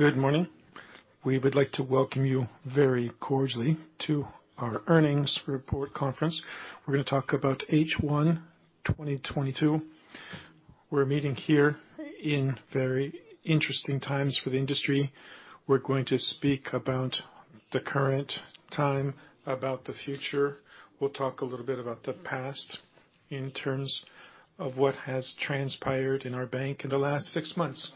Good morning. We would like to welcome you very cordially to our earnings report conference. We're gonna talk about H1 2022. We're meeting here in very interesting times for the industry. We're going to speak about the current time, about the future. We'll talk a little bit about the past in terms of what has transpired in our bank in the last six months.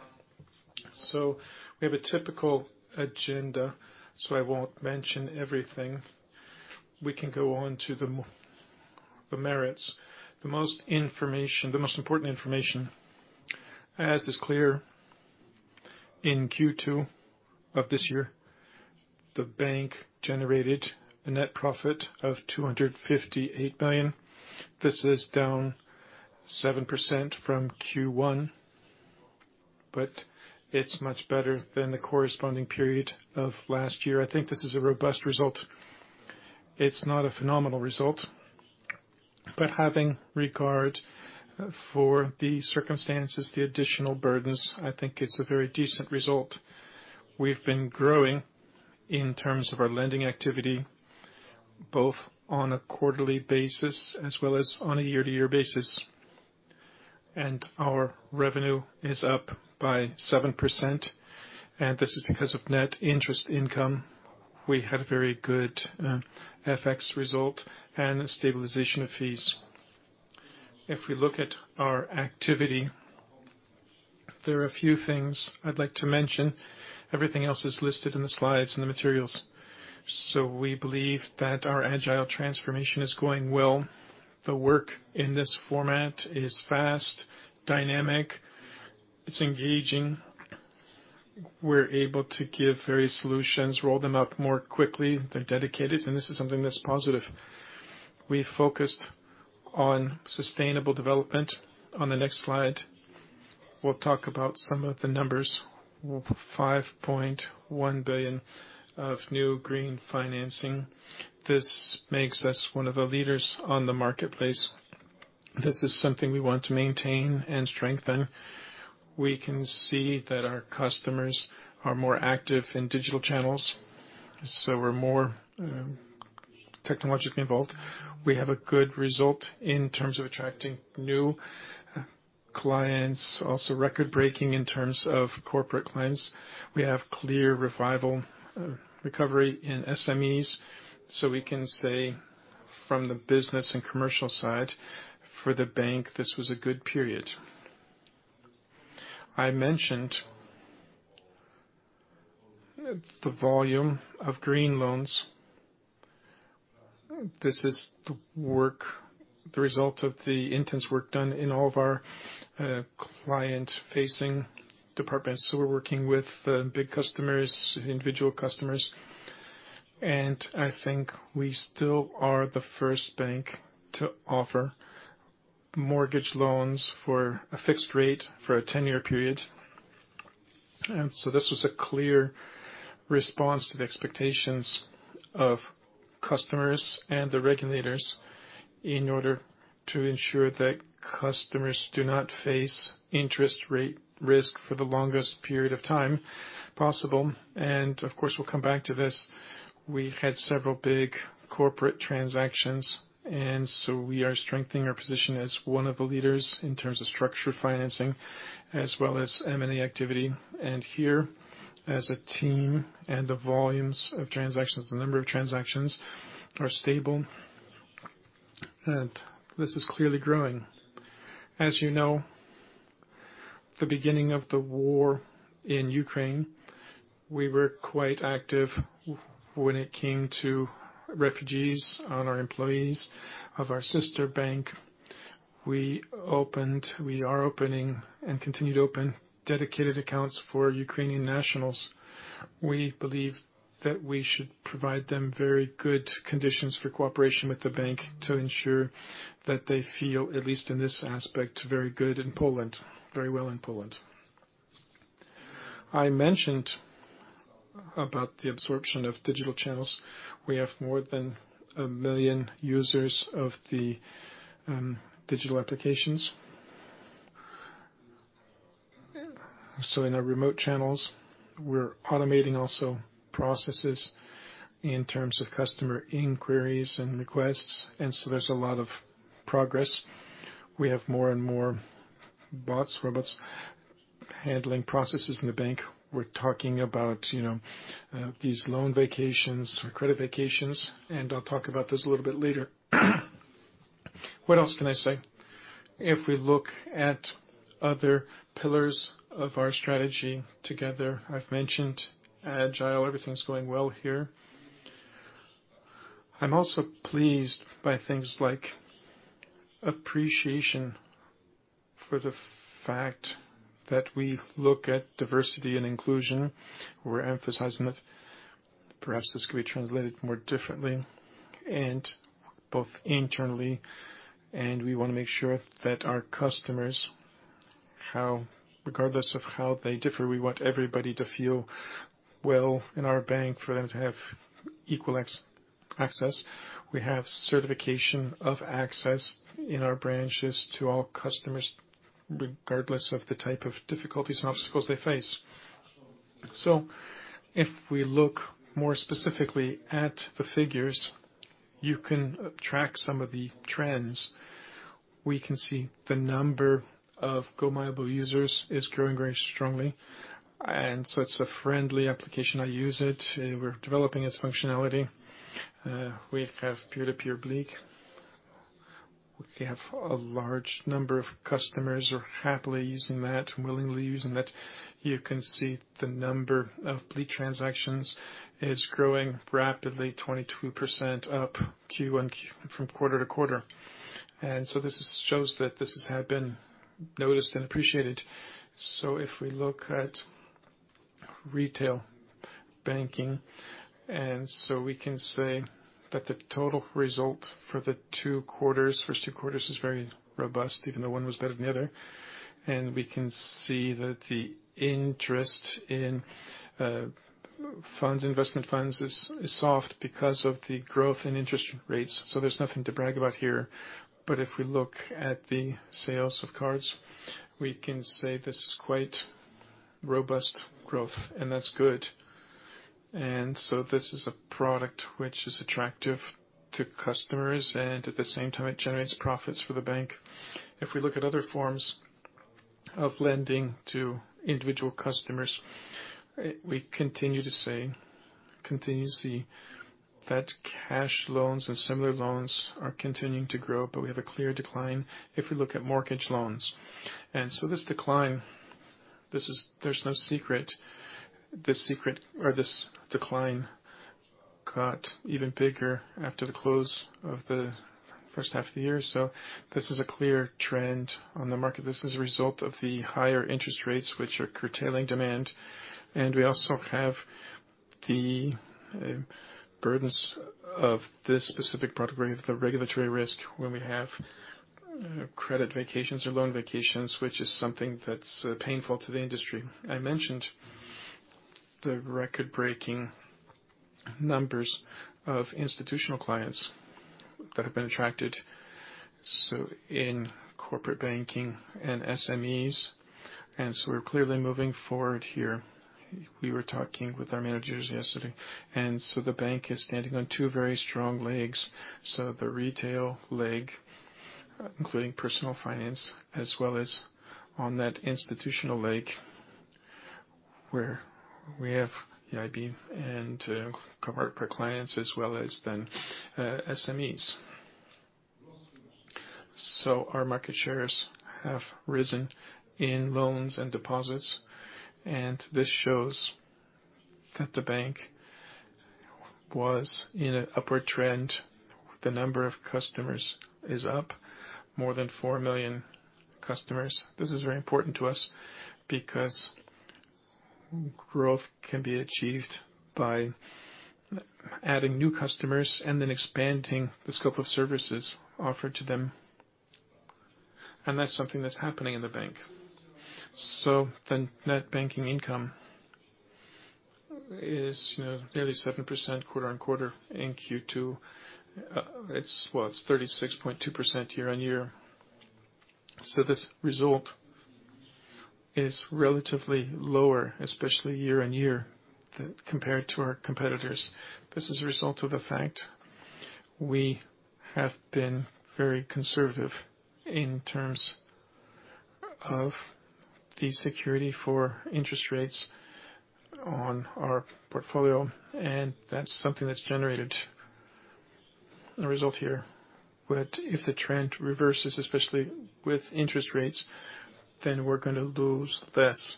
We have a typical agenda, so I won't mention everything. We can go on to the merits, the most information, the most important information. As is clear, in Q2 of this year, the bank generated a net profit of 258 billion. This is down 7% from Q1, but it's much better than the corresponding period of last year. I think this is a robust result. It's not a phenomenal result, but having regard for the circumstances, the additional burdens, I think it's a very decent result. We've been growing in terms of our lending activity, both on a quarterly basis as well as on a year-to-year basis. Our revenue is up by 7%, and this is because of net interest income. We had a very good FX result and a stabilization of fees. If we look at our activity, there are a few things I'd like to mention. Everything else is listed in the slides and the materials. We believe that our agile transformation is going well. The work in this format is fast, dynamic, it's engaging. We're able to give various solutions, roll them out more quickly. They're dedicated, and this is something that's positive. We focused on sustainable development. On the next slide, we'll talk about some of the numbers. We have 5.1 billion of new green financing. This makes us one of the leaders on the marketplace. This is something we want to maintain and strengthen. We can see that our customers are more active in digital channels, so we're more technologically involved. We have a good result in terms of attracting new clients, also record-breaking in terms of corporate clients. We have clear revival, recovery in SMEs, so we can say from the business and commercial side, for the bank, this was a good period. I mentioned the volume of green loans. This is the work, the result of the intense work done in all of our, client-facing departments who are working with, big customers, individual customers, and I think we still are the first bank to offer mortgage loans for a fixed rate for a 10-year period. This was a clear response to the expectations of customers and the regulators in order to ensure that customers do not face interest rate risk for the longest period of time possible. Of course, we'll come back to this. We had several big corporate transactions, and so we are strengthening our position as one of the leaders in terms of structured financing as well as M&A activity. Here, as a team and the volumes of transactions, the number of transactions are stable, and this is clearly growing. As you know, the beginning of the war in Ukraine, we were quite active when it came to refugees and our employees of our sister bank. We opened, we are opening and continue to open dedicated accounts for Ukrainian nationals. We believe that we should provide them very good conditions for cooperation with the bank to ensure that they feel, at least in this aspect, very good in Poland, very well in Poland. I mentioned about the absorption of digital channels. We have more than one million users of the digital applications. In our remote channels, we're automating also processes in terms of customer inquiries and requests, and so there's a lot of progress. We have more and more bots, robots handling processes in the bank. We're talking about, you know, these credit holidays, and I'll talk about those a little bit later. What else can I say? If we look at other pillars of our strategy together, I've mentioned agile. Everything's going well here. I'm also pleased by things like appreciation for the fact that we look at diversity and inclusion. We're emphasizing it. Perhaps this could be translated more differently and both internally, and we want to make sure that our customers, regardless of how they differ, we want everybody to feel well in our bank for them to have equal access. We have certification of access in our branches to all customers, regardless of the type of difficulties and obstacles they face. If we look more specifically at the figures, you can track some of the trends. We can see the number of GOmobile users is growing very strongly, and so it's a friendly application. I use it, we're developing its functionality. We have peer-to-peer BLIK. We have a large number of customers are happily using that and willingly using that. You can see the number of BLIK transactions is growing rapidly, 22% up Q1 from quarter to quarter. This shows that this has had been noticed and appreciated. If we look at retail banking, we can say that the total result for the two quarters, first two quarters is very robust, even though one was better than the other. We can see that the interest in funds, investment funds is soft because of the growth in interest rates, so there's nothing to brag about here. If we look at the sales of cards, we can say this is quite robust growth, and that's good. This is a product which is attractive to customers, and at the same time, it generates profits for the bank. If we look at other forms of lending to individual customers, we continue to see that cash loans and similar loans are continuing to grow, but we have a clear decline if we look at mortgage loans. This decline, there's no secret. The secret or this decline got even bigger after the close of the first half of the year. This is a clear trend on the market. This is a result of the higher interest rates, which are curtailing demand. We also have the burdens of this specific product, the regulatory risk, when we have credit holidays or loan holidays, which is something that's painful to the industry. I mentioned the record-breaking numbers of institutional clients that have been attracted, so in corporate banking and SMEs. We're clearly moving forward here. We were talking with our managers yesterday, and the bank is standing on two very strong legs. The retail leg, including personal finance, as well as on that institutional leg, where we have EIB and corporate clients as well as then SMEs. Our market shares have risen in loans and deposits, and this shows that the bank was in an upward trend. The number of customers is up more than four million customers. This is very important to us because growth can be achieved by adding new customers and then expanding the scope of services offered to them. That's something that's happening in the bank. The net banking income is nearly 7% quarter-on-quarter in Q2. Well, it's 36.2% year-on-year. This result is relatively lower, especially year-on-year, compared to our competitors. This is a result of the fact we have been very conservative in terms of the security for interest rates on our portfolio, and that's something that's generated a result here. If the trend reverses, especially with interest rates, then we're gonna lose less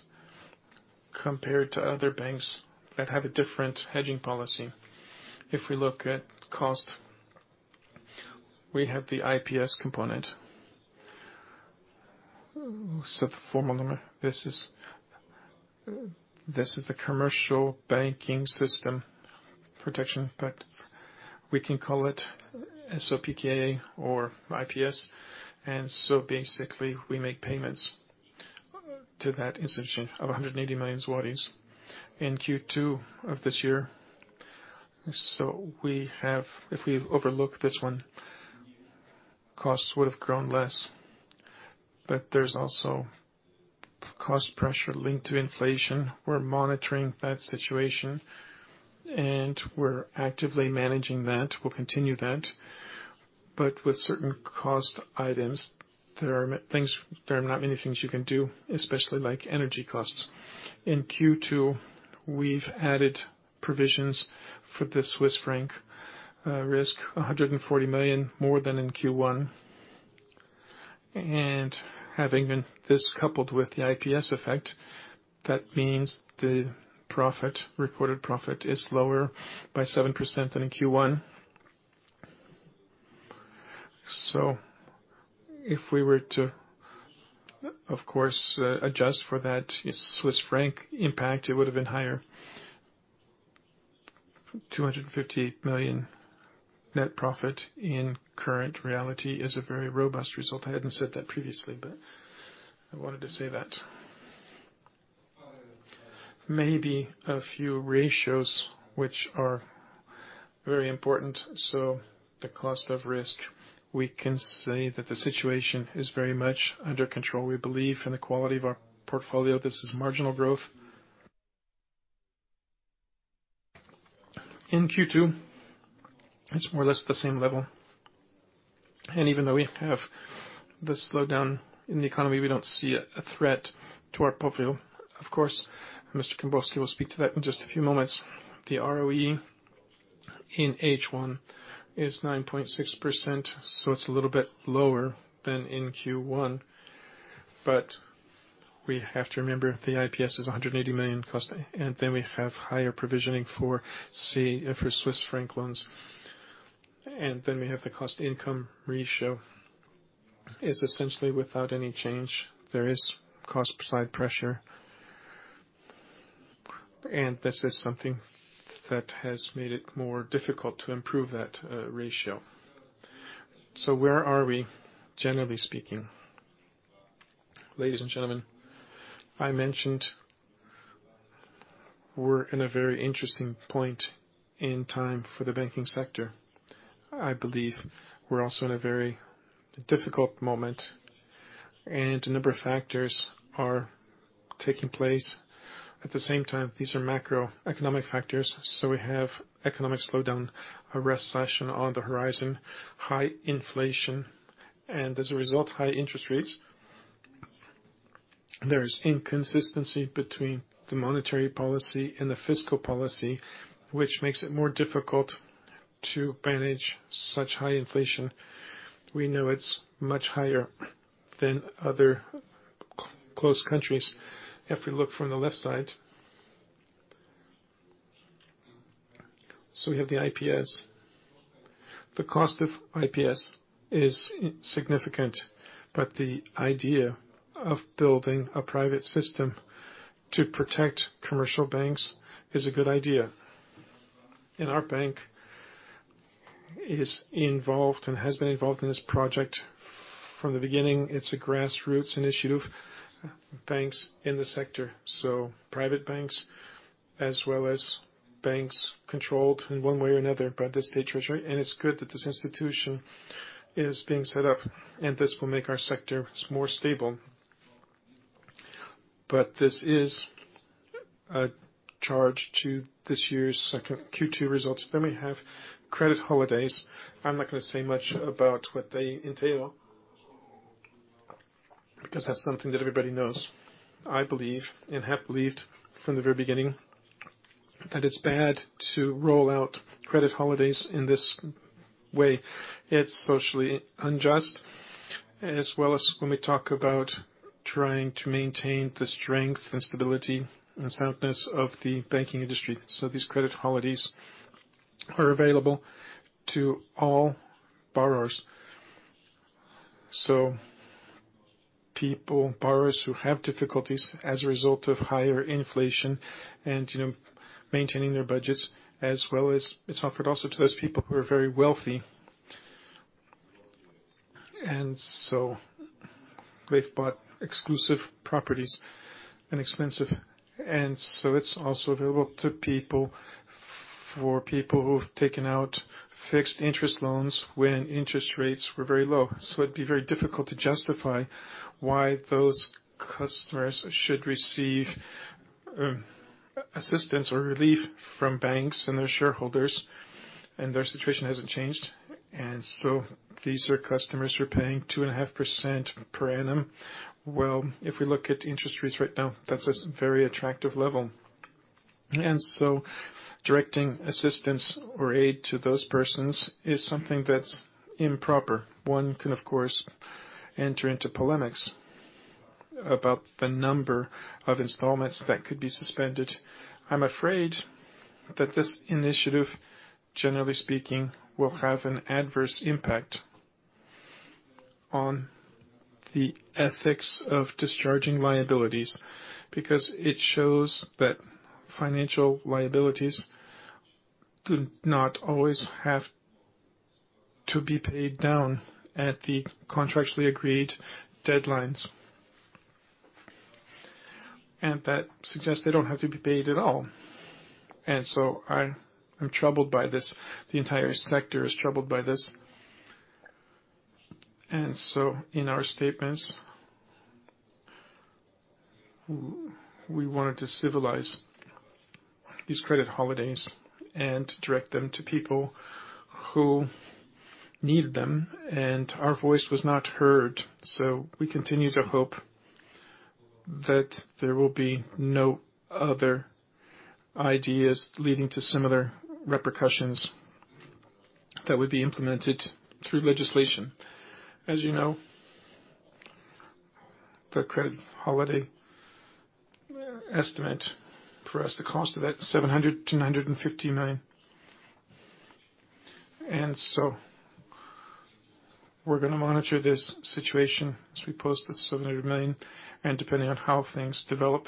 compared to other banks that have a different hedging policy. If we look at costs, we have the IPS component. The formal number, this is the commercial banking system protection, but we can call it SOPK or IPS. Basically, we make payments to that institution of 180 million zlotys in Q2 of this year. If we overlook this one, costs would have grown less. There's also cost pressure linked to inflation. We're monitoring that situation, and we're actively managing that. We'll continue that. With certain cost items, there are not many things you can do, especially like energy costs. In Q2, we've added provisions for the Swiss franc risk, 140 million more than in Q1. Having this coupled with the IPS effect, that means the profit, recorded profit is lower by 7% than in Q1. If we were to, of course, adjust for that Swiss franc impact, it would have been higher. 250 million net profit in current reality is a very robust result. I hadn't said that previously, but I wanted to say that. Maybe a few ratios which are very important. The cost of risk, we can say that the situation is very much under control. We believe in the quality of our portfolio. This is marginal growth. In Q2, it's more or less the same level. Even though we have the slowdown in the economy, we don't see a threat to our portfolio. Of course, Mr. Kembłowski will speak to that in just a few moments. The ROE in H1 is 9.6%, so it's a little bit lower than in Q1. We have to remember, the IPS is 180 million cost, and then we have higher provisioning for CHF, for Swiss franc loans. Then we have the cost income ratio is essentially without any change. There is cost side pressure. This is something that has made it more difficult to improve that ratio. Where are we, generally speaking? Ladies and gentlemen, I mentioned we're in a very interesting point in time for the banking sector. I believe we're also in a very difficult moment, and a number of factors are taking place. At the same time, these are macroeconomic factors. We have economic slowdown, a recession on the horizon, high inflation, and as a result, high interest rates. There is inconsistency between the monetary policy and the fiscal policy, which makes it more difficult to manage such high inflation. We know it's much higher than other close countries. If we look from the left side. We have the IPS. The cost of IPS is significant, but the idea of building a private system to protect commercial banks is a good idea. Our bank is involved, and has been involved in this project from the beginning. It's a grassroots initiative, banks in the sector, so private banks, as well as banks controlled in one way or another by the state treasury. It's good that this institution is being set up, and this will make our sector more stable. This is a charge to this year's Q2 results. We have credit holidays. I'm not going to say much about what they entail, because that's something that everybody knows. I believe and have believed from the very beginning that it's bad to roll out credit holidays in this way. It's socially unjust, as well as when we talk about trying to maintain the strength and stability and soundness of the banking industry. These credit holidays are available to all borrowers. People, borrowers who have difficulties as a result of higher inflation and maintaining their budgets, as well as it's offered also to those people who are very wealthy. They've bought exclusive properties and expensive. It's also available to people for people who've taken out fixed interest loans when interest rates were very low. It'd be very difficult to justify why those customers should receive assistance or relief from banks and their shareholders, and their situation hasn't changed. These are customers who are paying 2.5% per annum. Well, if we look at interest rates right now, that's a very attractive level. Directing assistance or aid to those persons is something that's improper. One can, of course, enter into polemics about the number of installments that could be suspended. I'm afraid that this initiative, generally speaking, will have an adverse impact on the ethics of discharging liabilities, because it shows that financial liabilities do not always have to be paid down at the contractually agreed deadlines. That suggests they don't have to be paid at all. I'm troubled by this. The entire sector is troubled by this. In our statements, we wanted to civilize these credit holidays and direct them to people who need them, and our voice was not heard. We continue to hope that there will be no other ideas leading to similar repercussions that would be implemented through legislation. As you know, the credit holiday estimate for us, the cost of that, 700 million-950 million. We're gonna monitor this situation as we post 700 million, and depending on how things develop,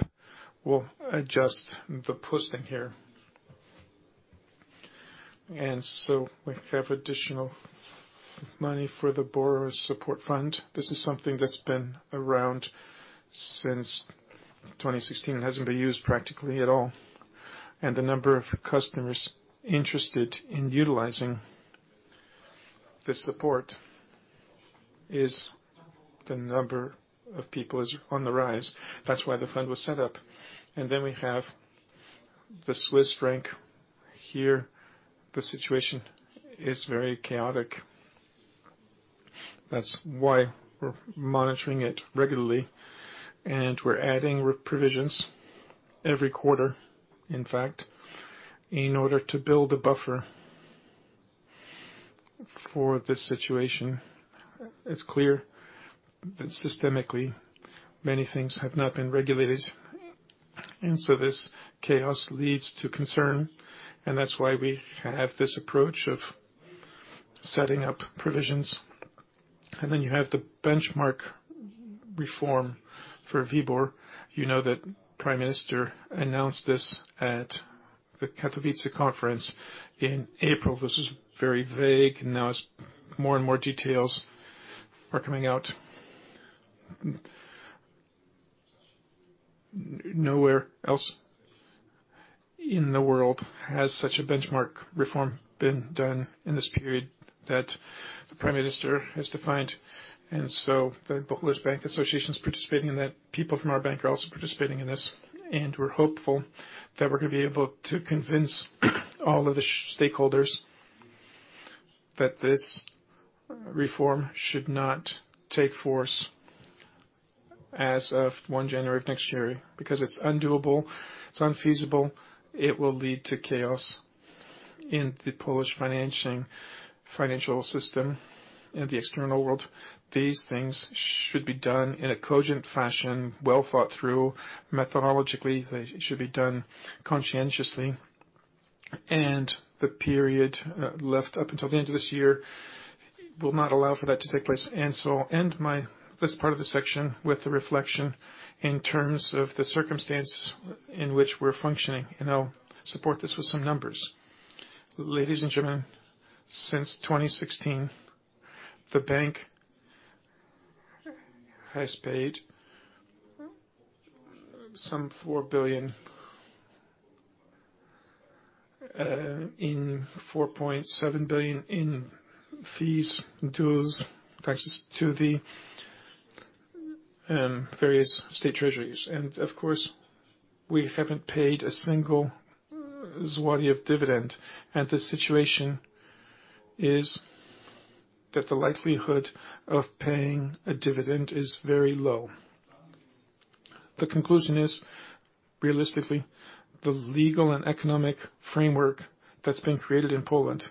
we'll adjust the posting here. We have additional money for the Borrower Support Fund. This is something that's been around since 2016 and hasn't been used practically at all. The number of customers interested in utilizing this support is on the rise. That's why the fund was set up. We have the Swiss franc here. The situation is very chaotic. That's why we're monitoring it regularly, and we're adding re-provisions every quarter, in fact, in order to build a buffer for this situation. It's clear that systemically many things have not been regulated, and so this chaos leads to concern, and that's why we have this approach of setting up provisions. You have the benchmark reform for WIBOR. You know that Prime Minister announced this at the Katowice conference in April. This was very vague. Now as more and more details are coming out. Nowhere else in the world has such a benchmark reform been done in this period that the Prime Minister has defined. The Polish Bank Association is participating in that. People from our bank are also participating in this. We're hopeful that we're gonna be able to convince all of the stakeholders that this reform should not take force as of 1 January of next year because it's undoable, it's unfeasible. It will lead to chaos in the Polish financial system and the external world. These things should be done in a cogent fashion, well thought through. Methodologically, they should be done conscientiously, and the period left up until the end of this year will not allow for that to take place. I'll end this part of the section with a reflection in terms of the circumstance in which we're functioning, and I'll support this with some numbers. Ladies and gentlemen, since 2016, the bank has paid some PLN 4 billion in fees, dues, taxes to the various state treasuries. Of course, we haven't paid a single złoty of dividend, and the situation is that the likelihood of paying a dividend is very low. The conclusion is, realistically, the legal and economic framework that's been created in Poland,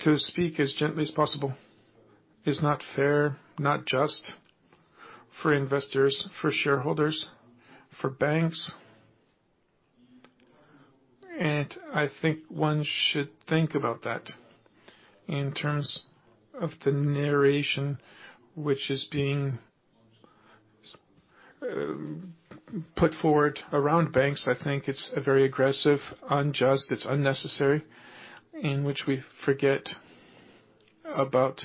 to speak as gently as possible, is not fair, not just for investors, for shareholders, for banks. I think one should think about that in terms of the narration which is being put forward around banks. I think it's a very aggressive, unjust, unnecessary, in which we forget about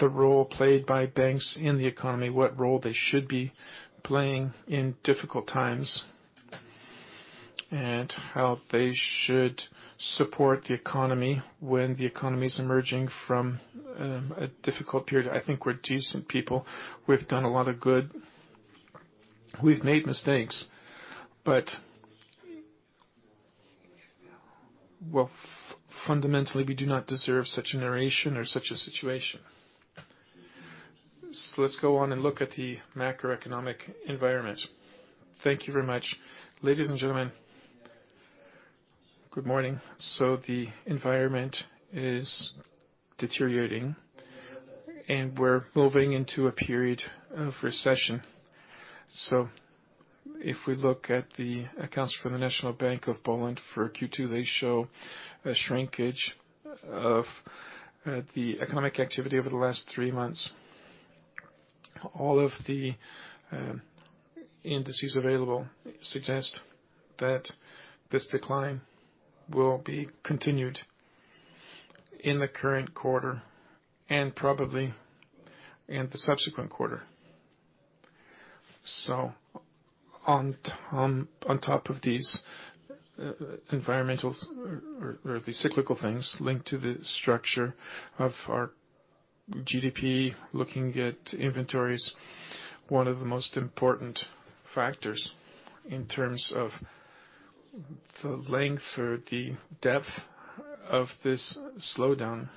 the role played by banks in the economy, what role they should be playing in difficult times, and how they should support the economy when the economy is emerging from a difficult period. I think we're decent people. We've done a lot of good. We've made mistakes, but well, fundamentally, we do not deserve such a narration or such a situation. Let's go on and look at the macroeconomic environment. Thank you very much. Ladies and gentlemen, good morning. The environment is deteriorating, and we're moving into a period of recession. If we look at the accounts from the National Bank of Poland for Q2, they show a shrinkage of the economic activity over the last three months. All of the indices available suggest that this decline will be continued in the current quarter and probably in the subsequent quarter. On top of these environmental or the cyclical things linked to the structure of our GDP, looking at inventories, one of the most important factors in terms of the length or the depth of this slowdown.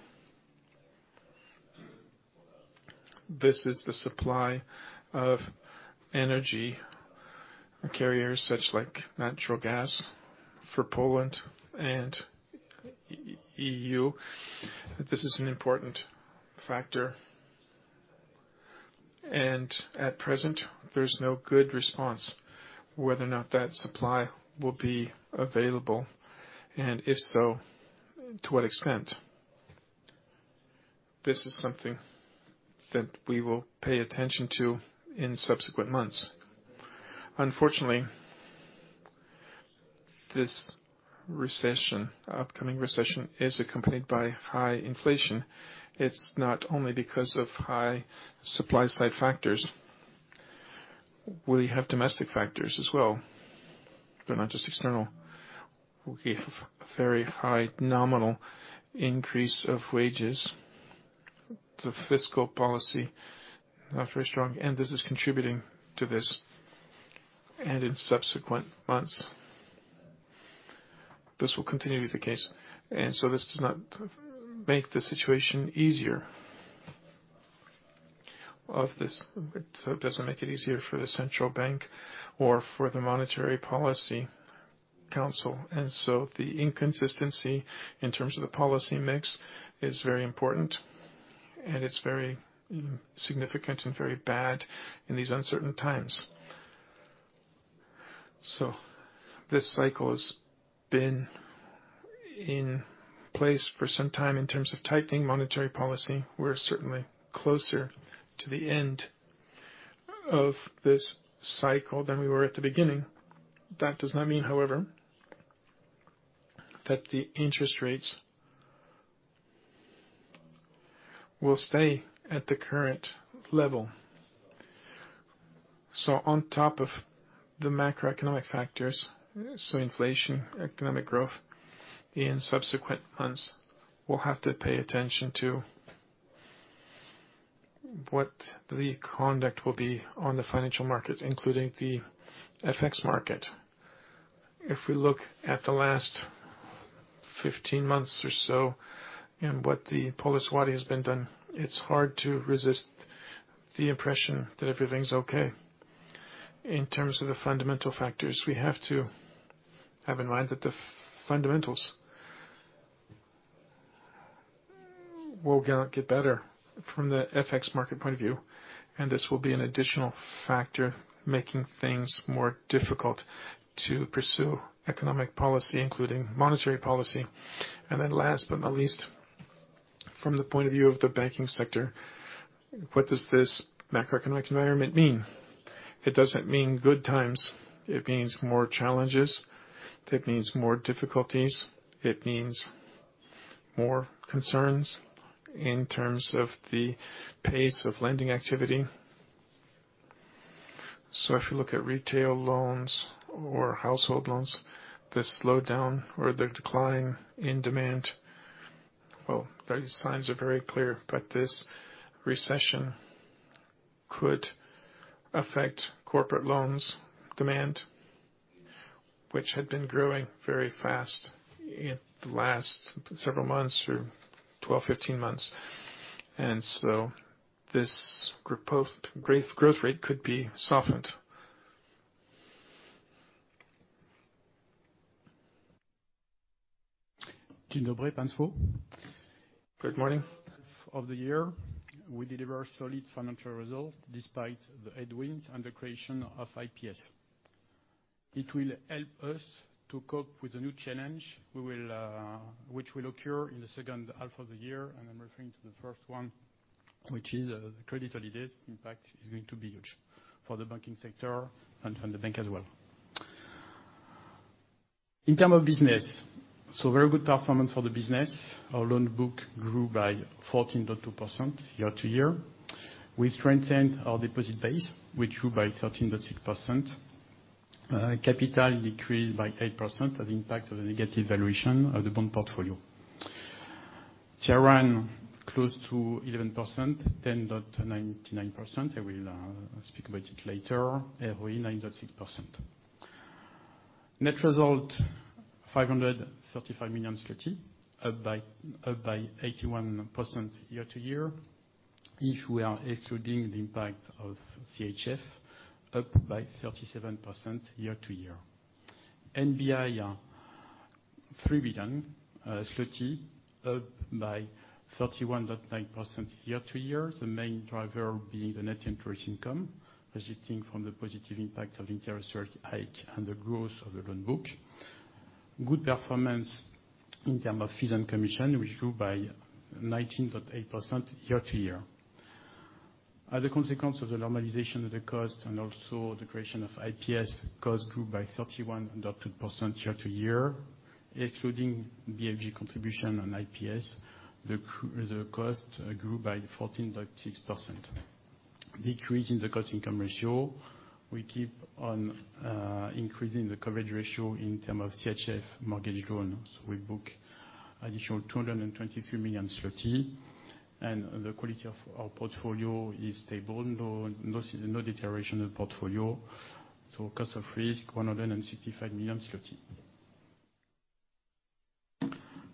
This is the supply of energy carriers, such as natural gas for Poland and EU. This is an important factor. At present, there's no good response whether or not that supply will be available, and if so, to what extent. This is something that we will pay attention to in subsequent months. Unfortunately, this recession, upcoming recession, is accompanied by high inflation. It's not only because of high supply side factors. We have domestic factors as well. They're not just external. We have very high nominal increase of wages. The fiscal policy, not very strong, and this is contributing to this. In subsequent months, this will continue to be the case. It doesn't make it easier for the central bank or for the Monetary Policy Council. The inconsistency in terms of the policy mix is very important, and it's very significant and very bad in these uncertain times. This cycle has been in place for some time in terms of tightening monetary policy. We're certainly closer to the end of this cycle than we were at the beginning. That does not mean, however, that the interest rates will stay at the current level. On top of the macroeconomic factors, so inflation, economic growth in subsequent months, we'll have to pay attention to what the conduct will be on the financial market, including the FX market. If we look at the last 15 months or so and what the Polish złoty has done, it's hard to resist the impression that everything's okay. In terms of the fundamental factors, we have to have in mind that the fundamentals will get better from the FX market point of view, and this will be an additional factor, making things more difficult to pursue economic policy, including monetary policy. Last but not least, from the point of view of the banking sector, what does this macroeconomic environment mean? It doesn't mean good times. It means more challenges. It means more difficulties. It means more concerns in terms of the pace of lending activity. If you look at retail loans or household loans, the slowdown or the decline in demand, well, the signs are very clear. This recession could affect corporate loans demand, which had been growing very fast in the last several months or 12, 15 months. This proposed growth rate could be softened. Good morning. Of the year, we deliver solid financial result despite the headwinds and the creation of IPS. It will help us to cope with the new challenge we will, which will occur in the second half of the year. I'm referring to the first one, which is credit holidays impact is going to be huge for the banking sector and for the bank as well. In terms of business, very good performance for the business. Our loan book grew by 14.2% year-to-year. We strengthened our deposit base, which grew by 13.6%. Capital decreased by 8% as impact of the negative valuation of the bond portfolio. Tier 1 close to 11%, 10.99%. I will speak about it later. ROE 9.6%. Net result 535 million, up by 81% year-to-year. If we are excluding the impact of CHF, up by 37% year-to-year. NBI 3 billion zloty, up by 31.9% year-to-year. The main driver being the net interest income resulting from the positive impact of interest rate hike and the growth of the loan book. Good performance in terms of fees and commission, which grew by 19.8% year-to-year. As a consequence of the normalization of the cost and also the creation of IPS, cost grew by 31.2% year-to-year, excluding BFG contribution on IPS, the cost grew by 14.6%, decreasing the cost income ratio. We keep on increasing the coverage ratio in terms of CHF mortgage loans. We book additional 223 million zloty, and the quality of our portfolio is stable. No, no deterioration of portfolio. Cost of risk PLN 165 million.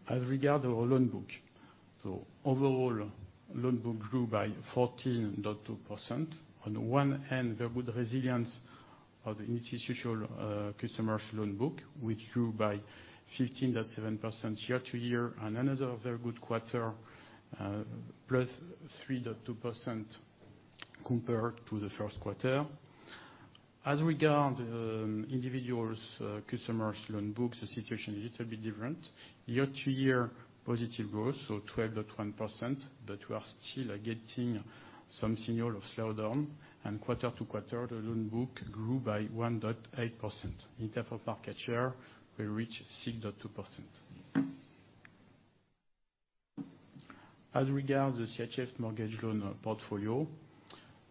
As regards our loan book. Overall, loan book grew by 14.2%. On one hand, very good resilience of the institutional customers loan book, which grew by 15.7% year-over-year, another very good quarter, plus 3.2% compared to the first quarter. As regards individual customers loan books, the situation a little bit different. Year-to-year positive growth, so 12.1%, but we are still getting some signal of slowdown, and quarter-over-quarter, the loan book grew by 1.8%. In terms of market share, we reached 6.2%. As regards the CHF mortgage loan portfolio,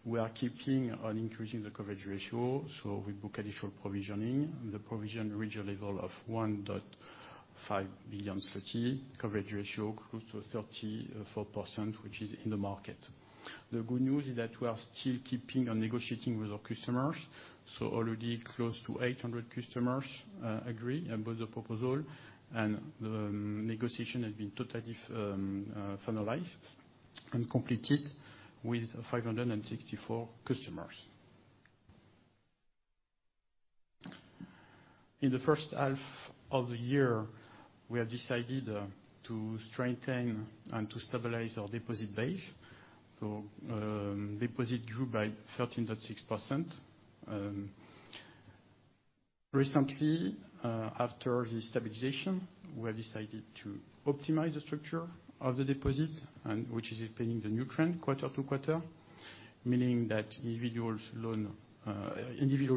we are keeping on increasing the coverage ratio, so we book additional provisioning. The provision reaches a level of 1.5 billion. Coverage ratio grew to 34%, which is in the market. The good news is that we are still keeping on negotiating with our customers. Already close to 800 customers agree about the proposal, and the negotiation has been totally finalized and completed with 564 customers. In the first half of the year, we have decided to strengthen and to stabilize our deposit base. Deposit grew by 13.6%. Recently, after the stabilization, we have decided to optimize the structure of the deposit and which is explaining the new trend quarter-to-quarter, meaning that individual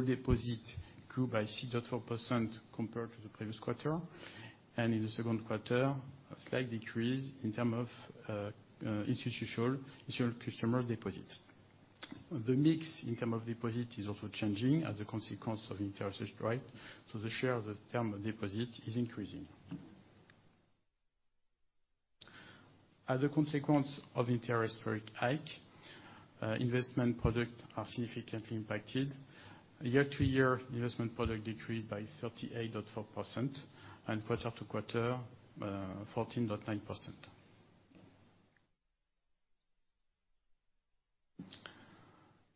deposit grew by 6.4% compared to the previous quarter, and in the second quarter, a slight decrease in terms of institutional customer deposits. The mix in the deposit is also changing as a consequence of interest rate, so the share of the term deposit is increasing. As a consequence of interest rate hike, investment product are significantly impacted. Year-to-year investment product decreased by 38.4%, and quarter-to-quarter, 14.9%.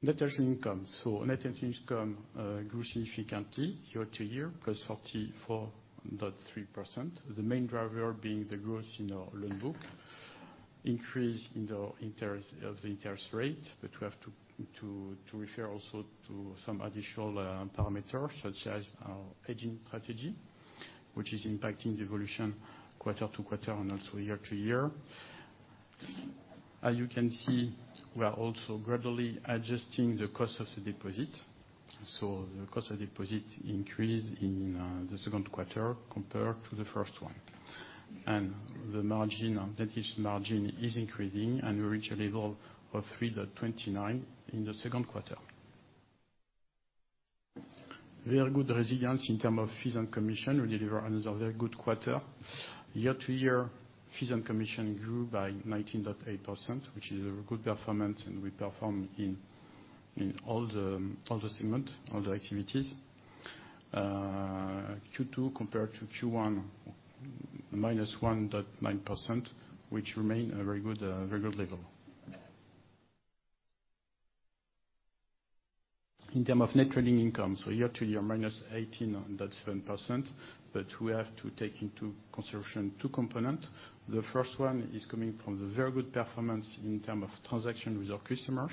Net interest income. Net interest income grew significantly year-over-year, +44.3%, the main driver being the growth in our loan book, increase in the interest rate, but we have to refer also to some additional parameters, such as our hedging strategy, which is impacting the evolution quarter-over-quarter and also year-over-year. As you can see, we are also gradually adjusting the cost of the deposit. The cost of deposit increased in the second quarter compared to the first one. The margin, net interest margin is increasing and reach a level of 3.29 in the second quarter. Very good resilience in terms of fees and commission. We deliver another very good quarter. Year-over-year, fees and commission grew by 19.8%, which is a good performance, and we perform in all the segments, all the activities. Q2 compared to Q1, -1.9%, which remains a very good level. In terms of net trading income, year-over-year, -18.7%, but we have to take into consideration two components. The first one is coming from the very good performance in terms of transactions with our customers,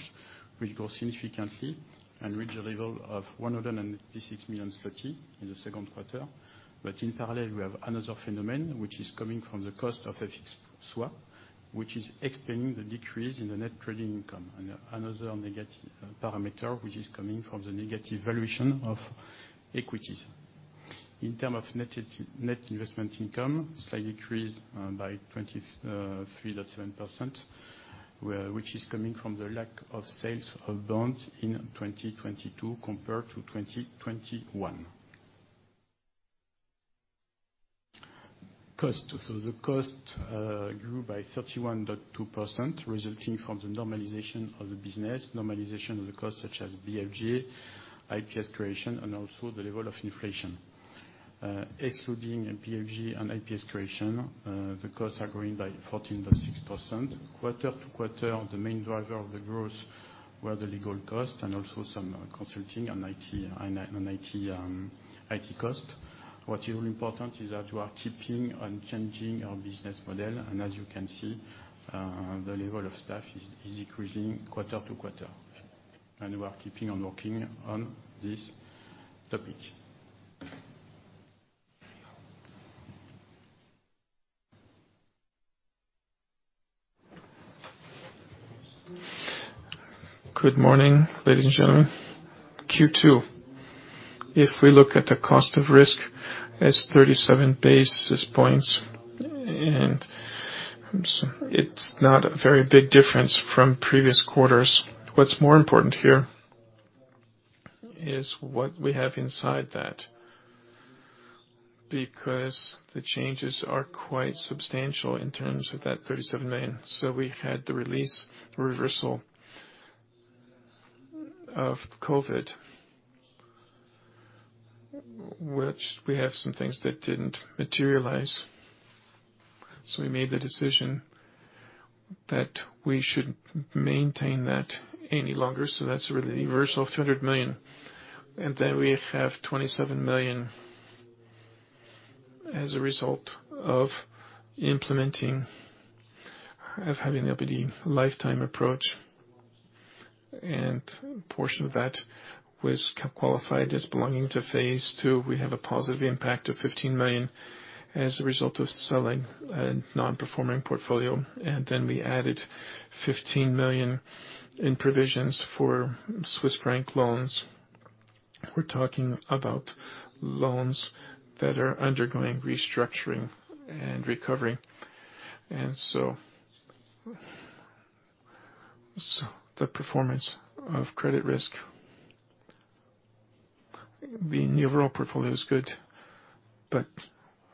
which grow significantly and reach a level of CHF 156 million in the second quarter. In parallel, we have another phenomenon, which is coming from the cost of FX swap, which is explaining the decrease in the net trading income. Another negative parameter, which is coming from the negative valuation of equities. In terms of net investment income, slight decrease by 23.7%, which is coming from the lack of sales of bonds in 2022 compared to 2021. Cost grew by 31.2%, resulting from the normalization of the business, normalization of the cost such as BFG, IPS creation, and also the level of inflation. Excluding BFG and IPS creation, the costs are growing by 14.6%. Quarter to quarter, the main driver of the growth were the legal cost and also some consulting and IT cost. What is important is that we are keeping on changing our business model, and as you can see, the level of staff is decreasing quarter to quarter, and we are keeping on working on this topic. Good morning, ladies and gentlemen. Q2, if we look at the cost of risk, is 37 basis points, and it's not a very big difference from previous quarters. What's more important here is what we have inside that, because the changes are quite substantial in terms of that 37 million. We had the release, the reversal of COVID, which we have some things that didn't materialize. We made the decision that we shouldn't maintain that any longer, so that's a reversal of 200 million. We have 27 million as a result of implementing, of having LGD lifetime approach. A portion of that was qualified as belonging to phase two. We have a positive impact of 15 million as a result of selling a non-performing portfolio, and then we added 15 million in provisions for Swiss franc loans. We're talking about loans that are undergoing restructuring and recovery. The performance of credit risk, the overall portfolio is good, but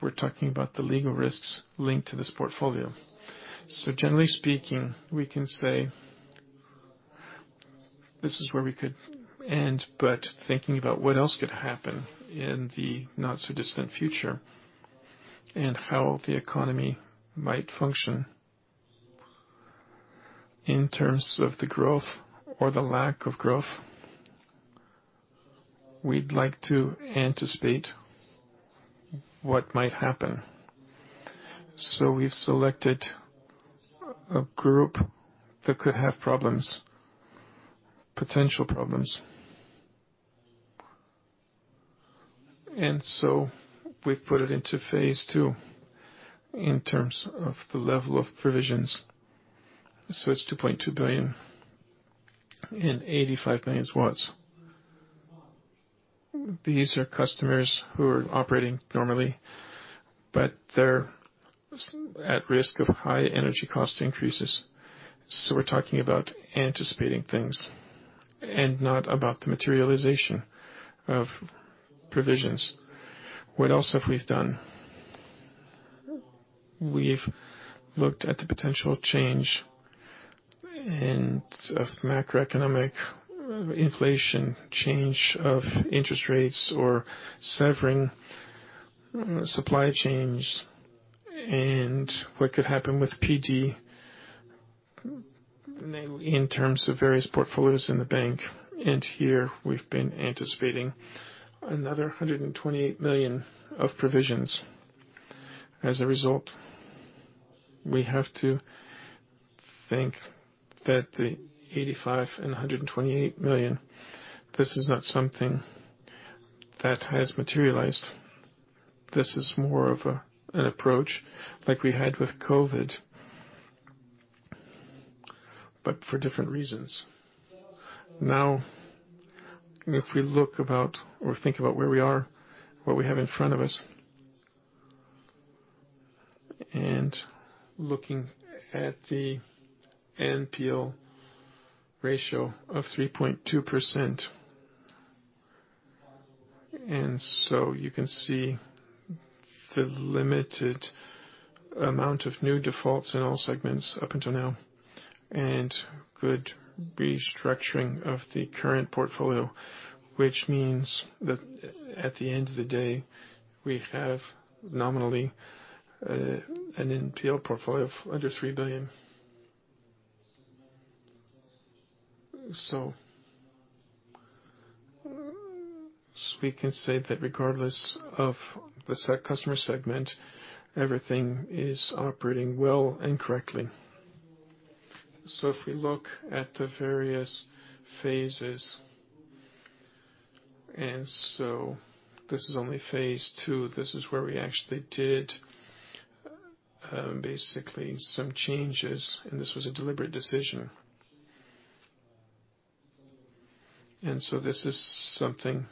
we're talking about the legal risks linked to this portfolio. Generally speaking, we can say, this is where we could end, but thinking about what else could happen in the not so distant future and how the economy might function in terms of the growth or the lack of growth, we'd like to anticipate what might happen. We've selected a group that could have problems, potential problems. We've put it into phase two in terms of the level of provisions. It's 2.285 billion. These are customers who are operating normally, but they're at risk of high energy cost increases. We're talking about anticipating things and not about the materialization of provisions. What else have we done? We've looked at the potential change in macroeconomic inflation, change of interest rates, or severing supply chains, and what could happen with PD, mainly in terms of various portfolios in the bank. Here, we've been anticipating another 128 million of provisions. As a result, we have to think that the 85 and 128 million, this is not something that has materialized. This is more of an approach like we had with COVID, but for different reasons. Now, if we look about or think about where we are, what we have in front of us, and looking at the NPL ratio of 3.2%. You can see the limited amount of new defaults in all segments up until now, and good restructuring of the current portfolio, which means that at the end of the day, we have nominally an NPL portfolio of under PLN 3 billion. We can say that regardless of the customer segment, everything is operating well and correctly. If we look at the various phases, this is only phase two, this is where we actually did basically some changes, and this was a deliberate decision. This is something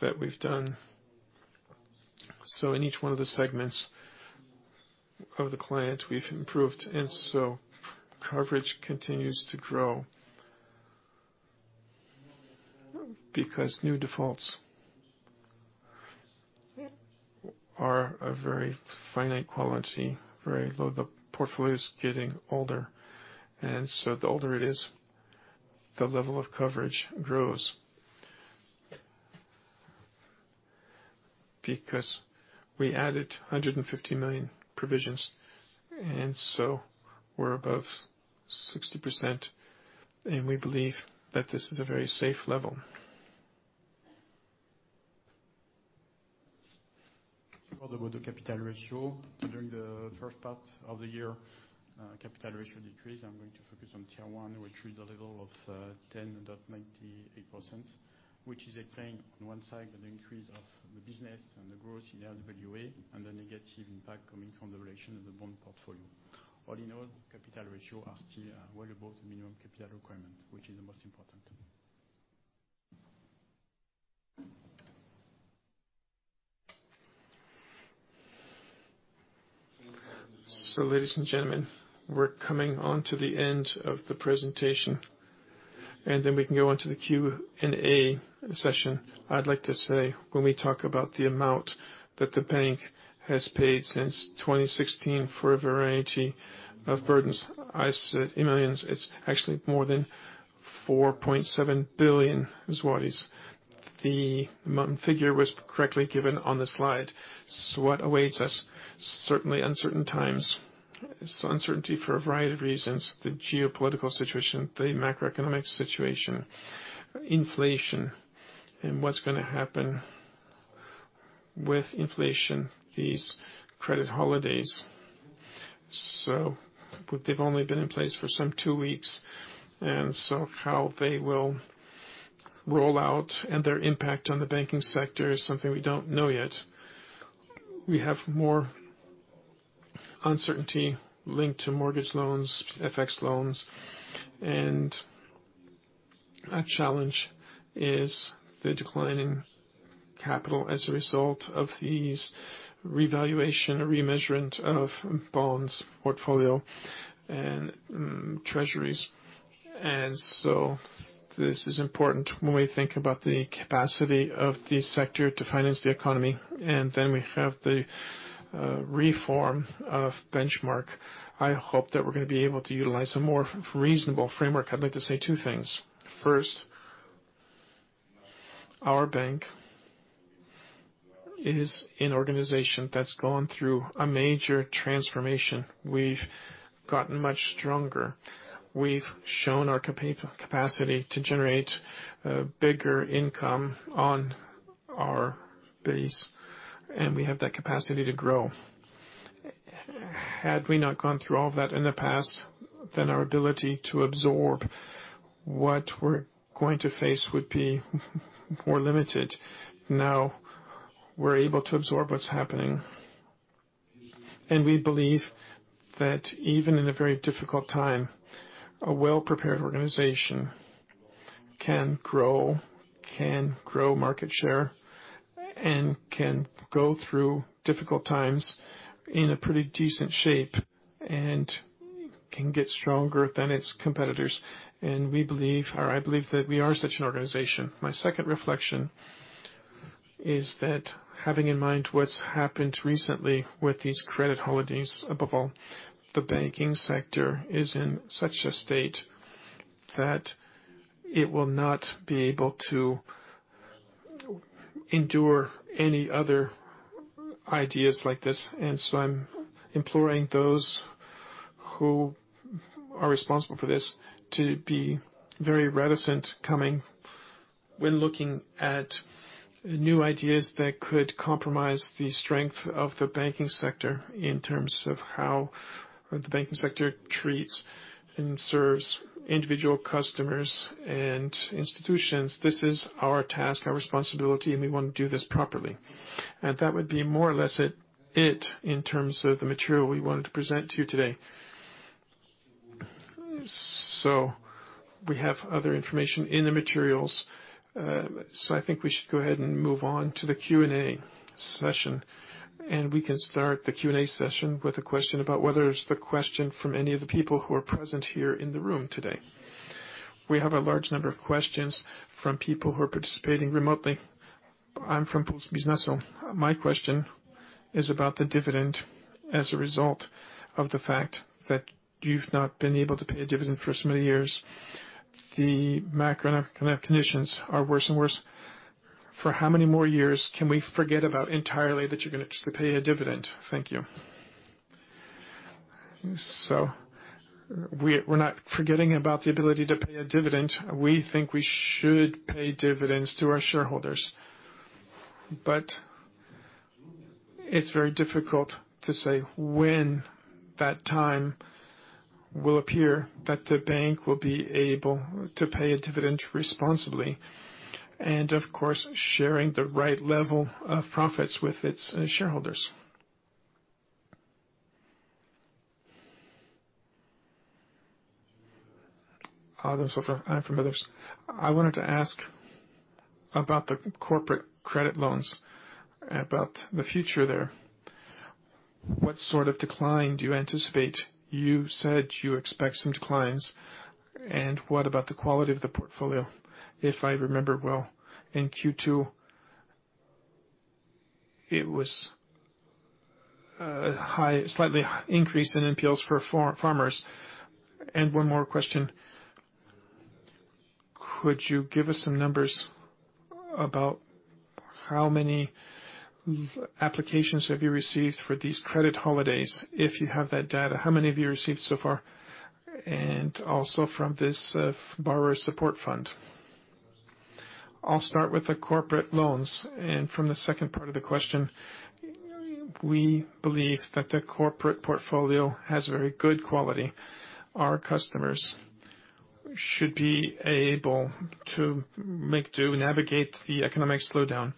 that we've done. In each one of the segments of the client, we've improved. Coverage continues to grow because new defaults are a very finite quantity, very low. The portfolio is getting older. The older it is, the level of coverage grows. Because we added 150 million provisions, and so we're above 60%, and we believe that this is a very safe level. What about the capital ratio? During the first part of the year, capital ratio decreased. I'm going to focus on Tier 1, which is a level of 10.98%, which is a weighing on one side, an increase of the business and the growth in RWA, and a negative impact coming from the revaluation of the bond portfolio. All in all, capital ratio are still well above the minimum capital requirement, which is the most important. Ladies and gentlemen, we're coming on to the end of the presentation, and then we can go on to the Q&A session. I'd like to say, when we talk about the amount that the bank has paid since 2016 for a variety of burdens, I said millions. It's actually more than 4.7 billion. The amount figure was correctly given on the slide. What awaits us, certainly uncertain times. Uncertainty for a variety of reasons, the geopolitical situation, the macroeconomic situation, inflation, and what's gonna happen with inflation, these credit holidays. But they've only been in place for some two weeks, and so how they will roll out and their impact on the banking sector is something we don't know yet. We have more uncertainty linked to mortgage loans, FX loans, and a challenge is the decline in capital as a result of these revaluation or remeasurement of bonds, portfolio, and treasuries. This is important when we think about the capacity of the sector to finance the economy, and then we have the reform of benchmark. I hope that we're gonna be able to utilize a more reasonable framework. I'd like to say two things. First, our bank is an organization that's gone through a major transformation. We've gotten much stronger. We've shown our capacity to generate a bigger income on our base, and we have that capacity to grow. Had we not gone through all that in the past, then our ability to absorb what we're going to face would be more limited. Now we're able to absorb what's happening. We believe that even in a very difficult time, a well-prepared organization can grow market share and can go through difficult times in a pretty decent shape and can get stronger than its competitors. We believe, or I believe that we are such an organization. My second reflection is that having in mind what's happened recently with these credit holidays above all, the banking sector is in such a state that it will not be able to endure any other ideas like this. I'm imploring those who are responsible for this to be very reticent coming when looking at new ideas that could compromise the strength of the banking sector in terms of how the banking sector treats and serves individual customers and institutions. This is our task, our responsibility, and we want to do this properly. That would be more or less it in terms of the material we wanted to present to you today. We have other information in the materials, so I think we should go ahead and move on to the Q&A session. We can start the Q&A session with a question about whether it's the question from any of the people who are present here in the room today. We have a large number of questions from people who are participating remotely. I'm from Puls Biznesu. My question is about the dividend as a result of the fact that you've not been able to pay a dividend for so many years. The macroeconomic conditions are worse and worse. For how many more years can we forget about entirely that you're gonna pay a dividend? Thank you. We're not forgetting about the ability to pay a dividend. We think we should pay dividends to our shareholders. It's very difficult to say when that time will appear that the bank will be able to pay a dividend responsibly, and of course, sharing the right level of profits with its shareholders. Adam Zborowski. I'm from Others. I wanted to ask about the corporate credit loans, about the future there. What sort of decline do you anticipate? You said you expect some declines, and what about the quality of the portfolio? If I remember well, in Q2, it was slightly increased in NPLs for farmers. One more question. Could you give us some numbers about how many applications have you received for these credit holidays, if you have that data? How many have you received so far, and also from this, Borrower Support Fund? I'll start with the corporate loans, and from the second part of the question, we believe that the corporate portfolio has very good quality. Our customers should be able to make do, navigate the economic slowdown.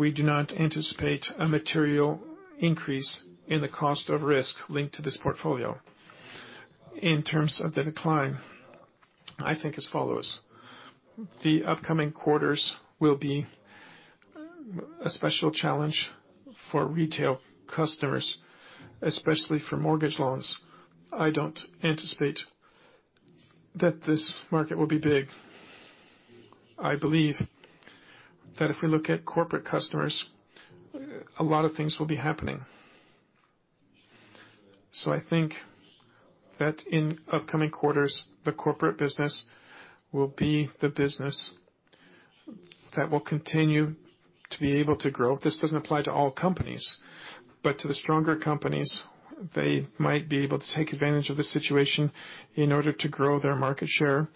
We do not anticipate a material increase in the cost of risk linked to this portfolio. In terms of the decline, I think as follows: The upcoming quarters will be a special challenge for retail customers, especially for mortgage loans. I don't anticipate that this market will be big. I believe that if we look at corporate customers, a lot of things will be happening. I think that in upcoming quarters, the corporate business will be the business that will continue to be able to grow. This doesn't apply to all companies, but to the stronger companies, they might be able to take advantage of the situation in order to grow their market share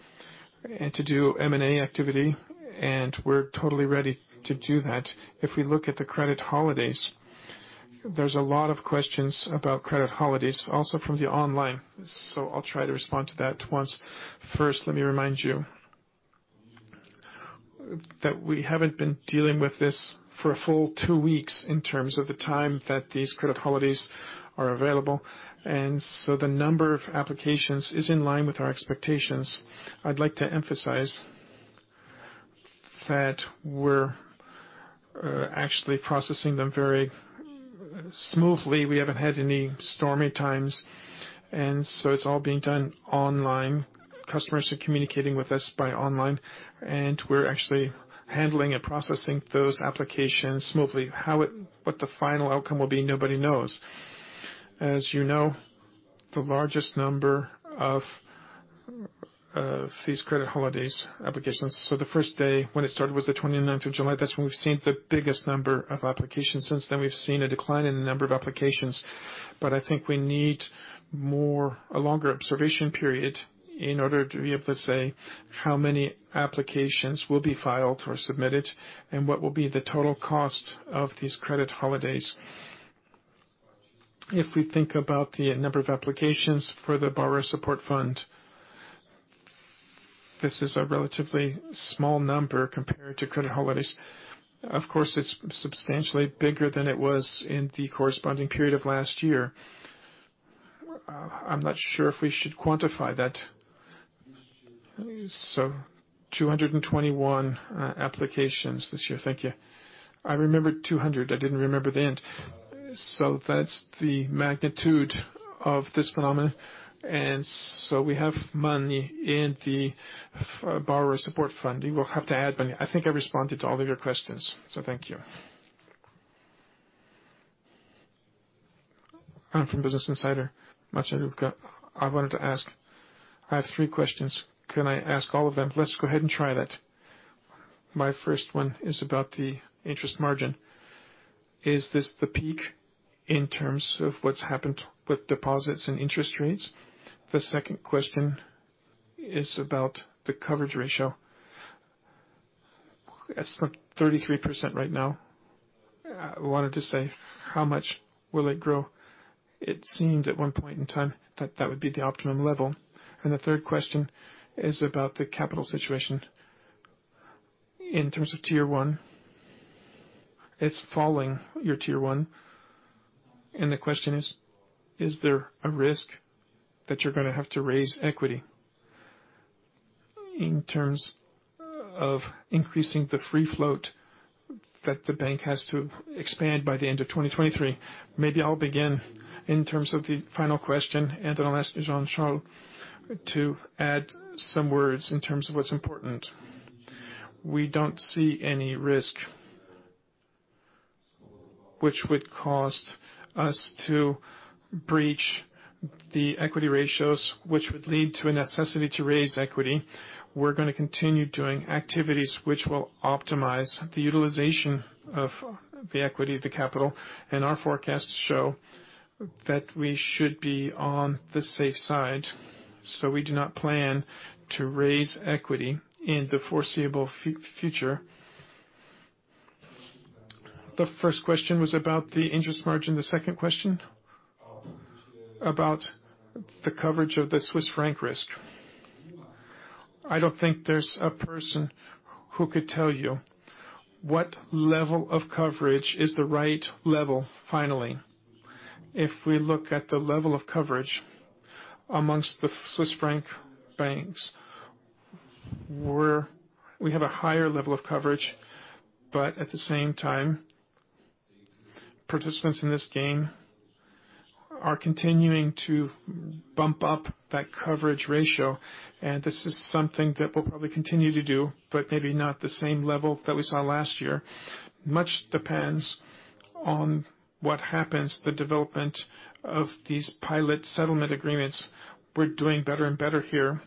and to do M&A activity, and we're totally ready to do that. If we look at the credit holidays, there's a lot of questions about credit holidays, also from the online. I'll try to respond to that once. First, let me remind you that we haven't been dealing with this for a full two weeks in terms of the time that these credit holidays are available. The number of applications is in line with our expectations. I'd like to emphasize that we're actually processing them very smoothly. We haven't had any stormy times, it's all being done online. Customers are communicating with us by online, and we're actually handling and processing those applications smoothly. What the final outcome will be, nobody knows. As you know, the largest number of these credit holidays applications. The first day when it started was the 29th of July. That's when we've seen the biggest number of applications. Since then, we've seen a decline in the number of applications. I think we need more. A longer observation period in order to be able to say how many applications will be filed or submitted and what will be the total cost of these credit holidays. If we think about the number of applications for the Borrower Support Fund, this is a relatively small number compared to credit holidays. Of course, it's substantially bigger than it was in the corresponding period of last year. I'm not sure if we should quantify that. 221 applications this year. Thank you. I remembered 200. I didn't remember the end. That's the magnitude of this phenomenon. We have money in the Borrower Support Fund. We'll have to add money. I think I responded to all of your questions, so thank you. I'm from Business Insider, Maciej Łuczak. I wanted to ask. I have three questions. Can I ask all of them? Let's go ahead and try that. My first one is about the interest margin. Is this the peak in terms of what's happened with deposits and interest rates? The second question is about the coverage ratio. It's, like, 33% right now. I wanted to say, how much will it grow? It seemed at one point in time that that would be the optimum level. The third question is about the capital situation. In terms of Tier 1, it's falling, your Tier 1. The question is there a risk that you're gonna have to raise equity in terms of increasing the free float that the bank has to expand by the end of 2023? Maybe I'll begin in terms of the final question, and then I'll ask Jean-Charles to add some words in terms of what's important. We don't see any risk which would cause us to breach the equity ratios, which would lead to a necessity to raise equity. We're gonna continue doing activities which will optimize the utilization of the equity, the capital, and our forecasts show that we should be on the safe side, so we do not plan to raise equity in the foreseeable future. The first question was about the interest margin. The second question was about the coverage of the Swiss franc risk. I don't think there's a person who could tell you what level of coverage is the right level, finally. If we look at the level of coverage amongst the Swiss franc banks, we have a higher level of coverage, but at the same time, participants in this game are continuing to bump up that coverage ratio, and this is something that we'll probably continue to do but maybe not the same level that we saw last year. Much depends on what happens, the development of these pilot settlement agreements. We're doing better and better here.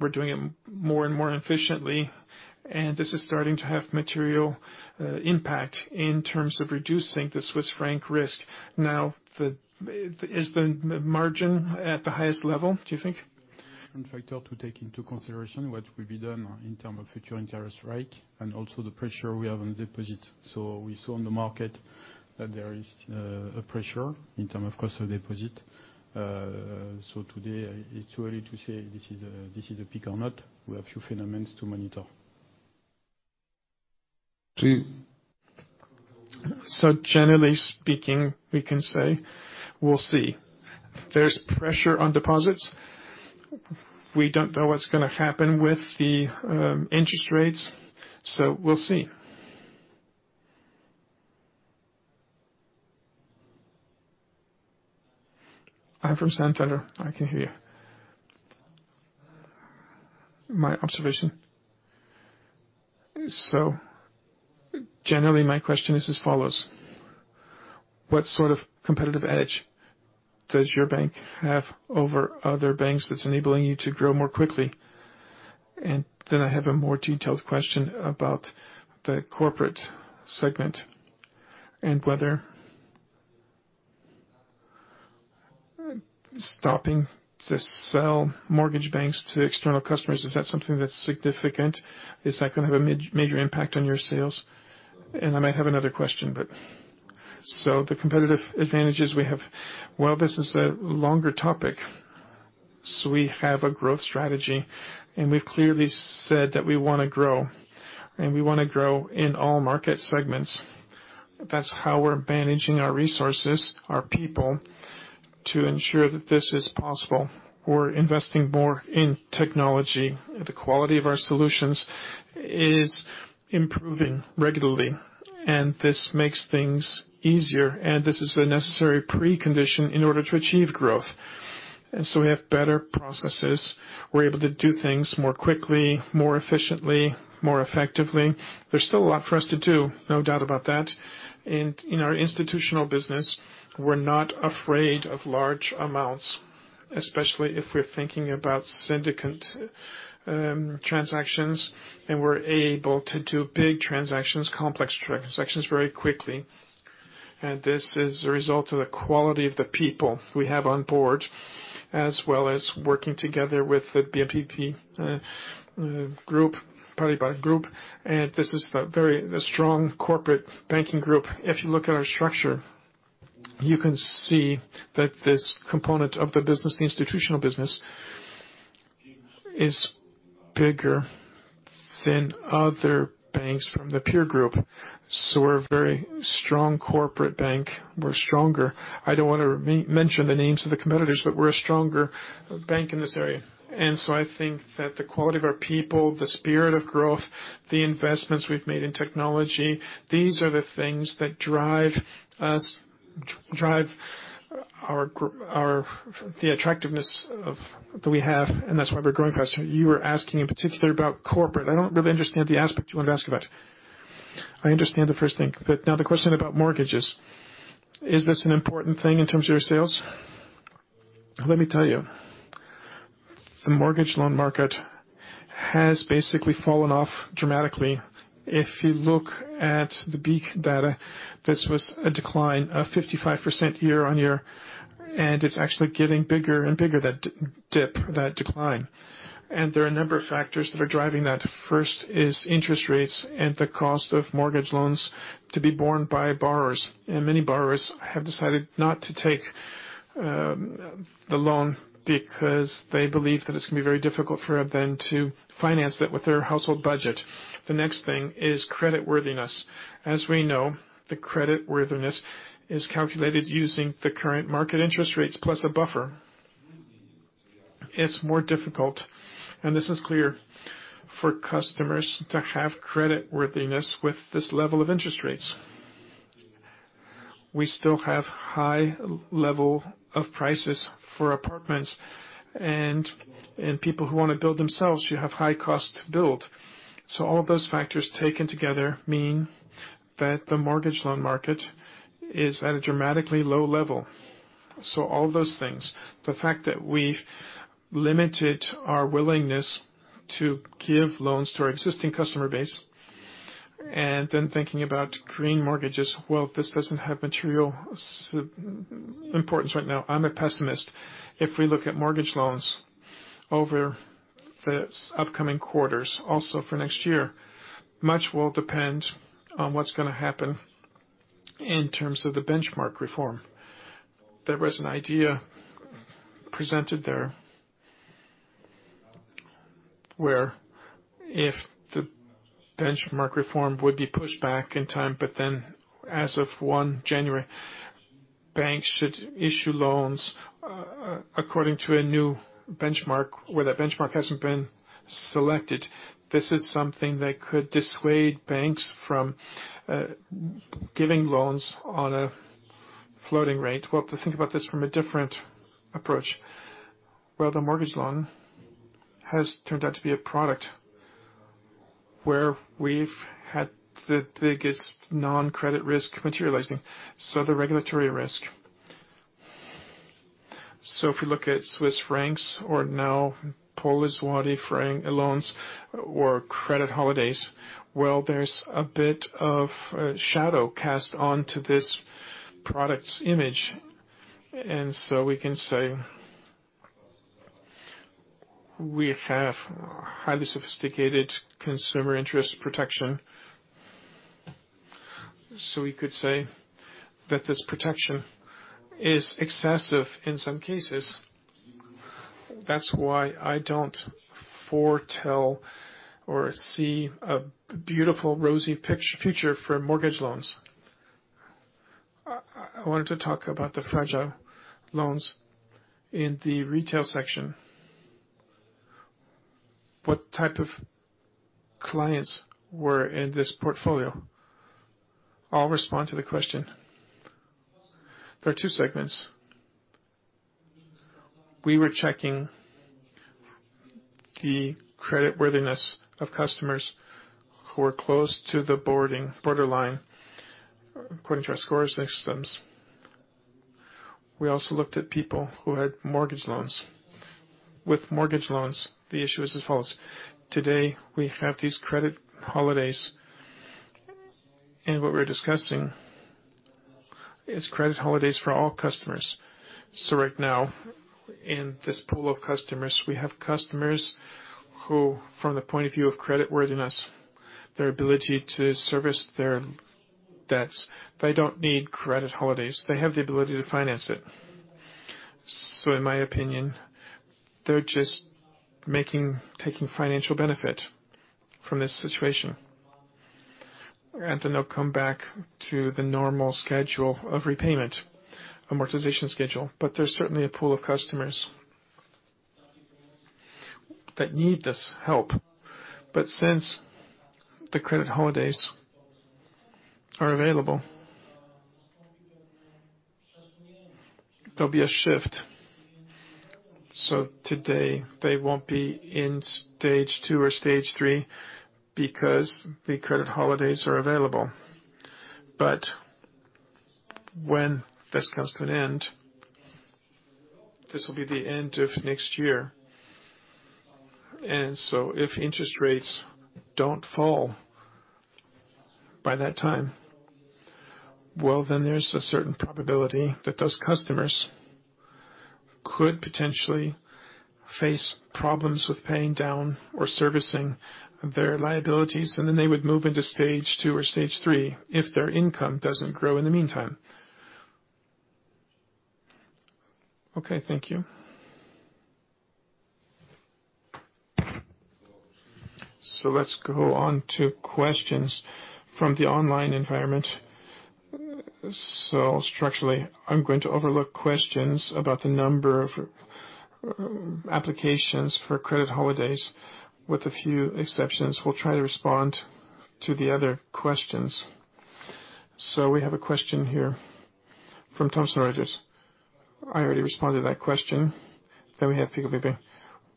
We're doing it more and more efficiently, and this is starting to have material impact in terms of reducing the Swiss franc risk. Now, is the margin at the highest level, do you think? One factor to take into consideration, what will be done in terms of future interest rate and also the pressure we have on deposit. We saw in the market that there is a pressure in terms of cost of deposit. Today it's early to say this is a peak or not. We have a few phenomena to monitor. Generally speaking, we can say, we'll see. There's pressure on deposits. We don't know what's gonna happen with the interest rates, so we'll see. I'm from Santander. I can hear you. My observation. Generally my question is as follows: What sort of competitive edge does your bank have over other banks that's enabling you to grow more quickly? And then I have a more detailed question about the corporate segment and whether stopping to sell mortgage loans to external customers is that something that's significant? Is that gonna have a major impact on your sales? And I might have another question. The competitive advantages we have. Well, this is a longer topic. We have a growth strategy, and we've clearly said that we wanna grow, and we wanna grow in all market segments. That's how we're managing our resources, our people, to ensure that this is possible. We're investing more in technology. The quality of our solutions is improving regularly, and this makes things easier, and this is a necessary precondition in order to achieve growth. We have better processes. We're able to do things more quickly, more efficiently, more effectively. There's still a lot for us to do, no doubt about that. In our institutional business, we're not afraid of large amounts, especially if we're thinking about syndicate transactions, and we're able to do big transactions, complex transactions very quickly. This is a result of the quality of the people we have on board, as well as working together with the BNP Paribas Group, and this is a very strong corporate banking group. If you look at our structure, you can see that this component of the business, the institutional business, is bigger than other banks from the peer group. We're a very strong corporate bank. We're stronger. I don't wanna mention the names of the competitors, but we're a stronger bank in this area. I think that the quality of our people, the spirit of growth, the investments we've made in technology, these are the things that drive us, drive our attractiveness that we have, and that's why we're growing faster. You were asking in particular about corporate. I don't really understand the aspect you want to ask about. I understand the first thing, but now the question about mortgages, is this an important thing in terms of your sales? Let me tell you, the mortgage loan market has basically fallen off dramatically. If you look at the BLIK data, this was a decline of 55% year-on-year, and it's actually getting bigger and bigger, that dip, that decline. There are a number of factors that are driving that. First is interest rates and the cost of mortgage loans to be borne by borrowers. Many borrowers have decided not to take the loan because they believe that it's gonna be very difficult for them to finance that with their household budget. The next thing is creditworthiness. As we know, the creditworthiness is calculated using the current market interest rates plus a buffer. It's more difficult, and this is clear, for customers to have creditworthiness with this level of interest rates. We still have high level of prices for apartments and people who wanna build themselves, you have high cost to build. All of those factors taken together mean that the mortgage loan market is at a dramatically low level. All those things, the fact that we've limited our willingness to give loans to our existing customer base and then thinking about green mortgages, well, this doesn't have material importance right now. I'm a pessimist. If we look at mortgage loans over the upcoming quarters, also for next year, much will depend on what's gonna happen in terms of the benchmark reform. There was an idea presented there, where if the benchmark reform would be pushed back in time, but then as of 1 January, banks should issue loans according to a new benchmark, where that benchmark hasn't been selected. This is something that could dissuade banks from giving loans on a floating rate. Well, to think about this from a different approach, the mortgage loan has turned out to be a product where we've had the biggest non-credit risk materializing, the regulatory risk. If we look at Swiss franc loans or now Polish złoty loans or credit holidays, there's a bit of a shadow cast onto this product's image. We can say we have highly sophisticated consumer protection, we could say that this protection is excessive in some cases. That's why I don't foretell or see a beautiful rosy picture for mortgage loans. I wanted to talk about the fragile loans in the retail section. What type of clients were in this portfolio? I'll respond to the question. There are two segments. We were checking the creditworthiness of customers who are close to the borderline according to our scoring systems. We also looked at people who had mortgage loans. With mortgage loans, the issue is as follows. Today, we have these credit holidays, and what we're discussing is credit holidays for all customers. Right now, in this pool of customers, we have customers who from the point of view of creditworthiness, their ability to service their debts, they don't need credit holidays. They have the ability to finance it. In my opinion, they're just taking financial benefit from this situation, and then they'll come back to the normal schedule of repayment, amortization schedule. There's certainly a pool of customers that need this help. Since the credit holidays are available, there'll be a shift. Today, they won't be in stage two or stage three because the credit holidays are available. When this comes to an end, this will be the end of next year. If interest rates don't fall by that time, well, then there's a certain probability that those customers could potentially face problems with paying down or servicing their liabilities, and then they would move into stage two or stage three if their income doesn't grow in the meantime. Okay, thank you. Let's go on to questions from the online environment. Structurally, I'm going to overlook questions about the number of applications for credit holidays, with a few exceptions. We'll try to respond to the other questions. We have a question here from Thomson Reuters. I already responded to that question. We have,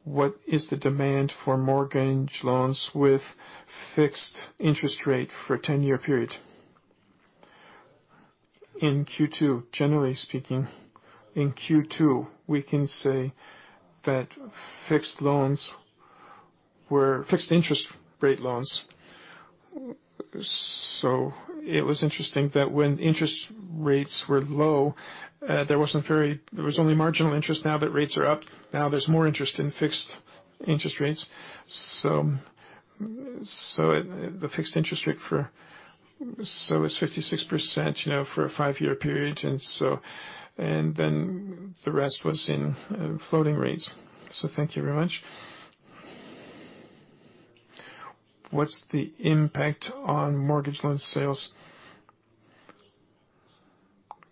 what's the demand for mortgage loans with fixed interest rate for 10-year period? In Q2, generally speaking, in Q2, we can say that fixed loans were fixed interest rate loans. It was interesting that when interest rates were low, there was only marginal interest now that rates are up. Now there's more interest in fixed interest rates. The fixed interest rate, so it's 56%, you know, for a five-year period, and then the rest was in floating rates. Thank you very much. What's the impact on mortgage loan sales?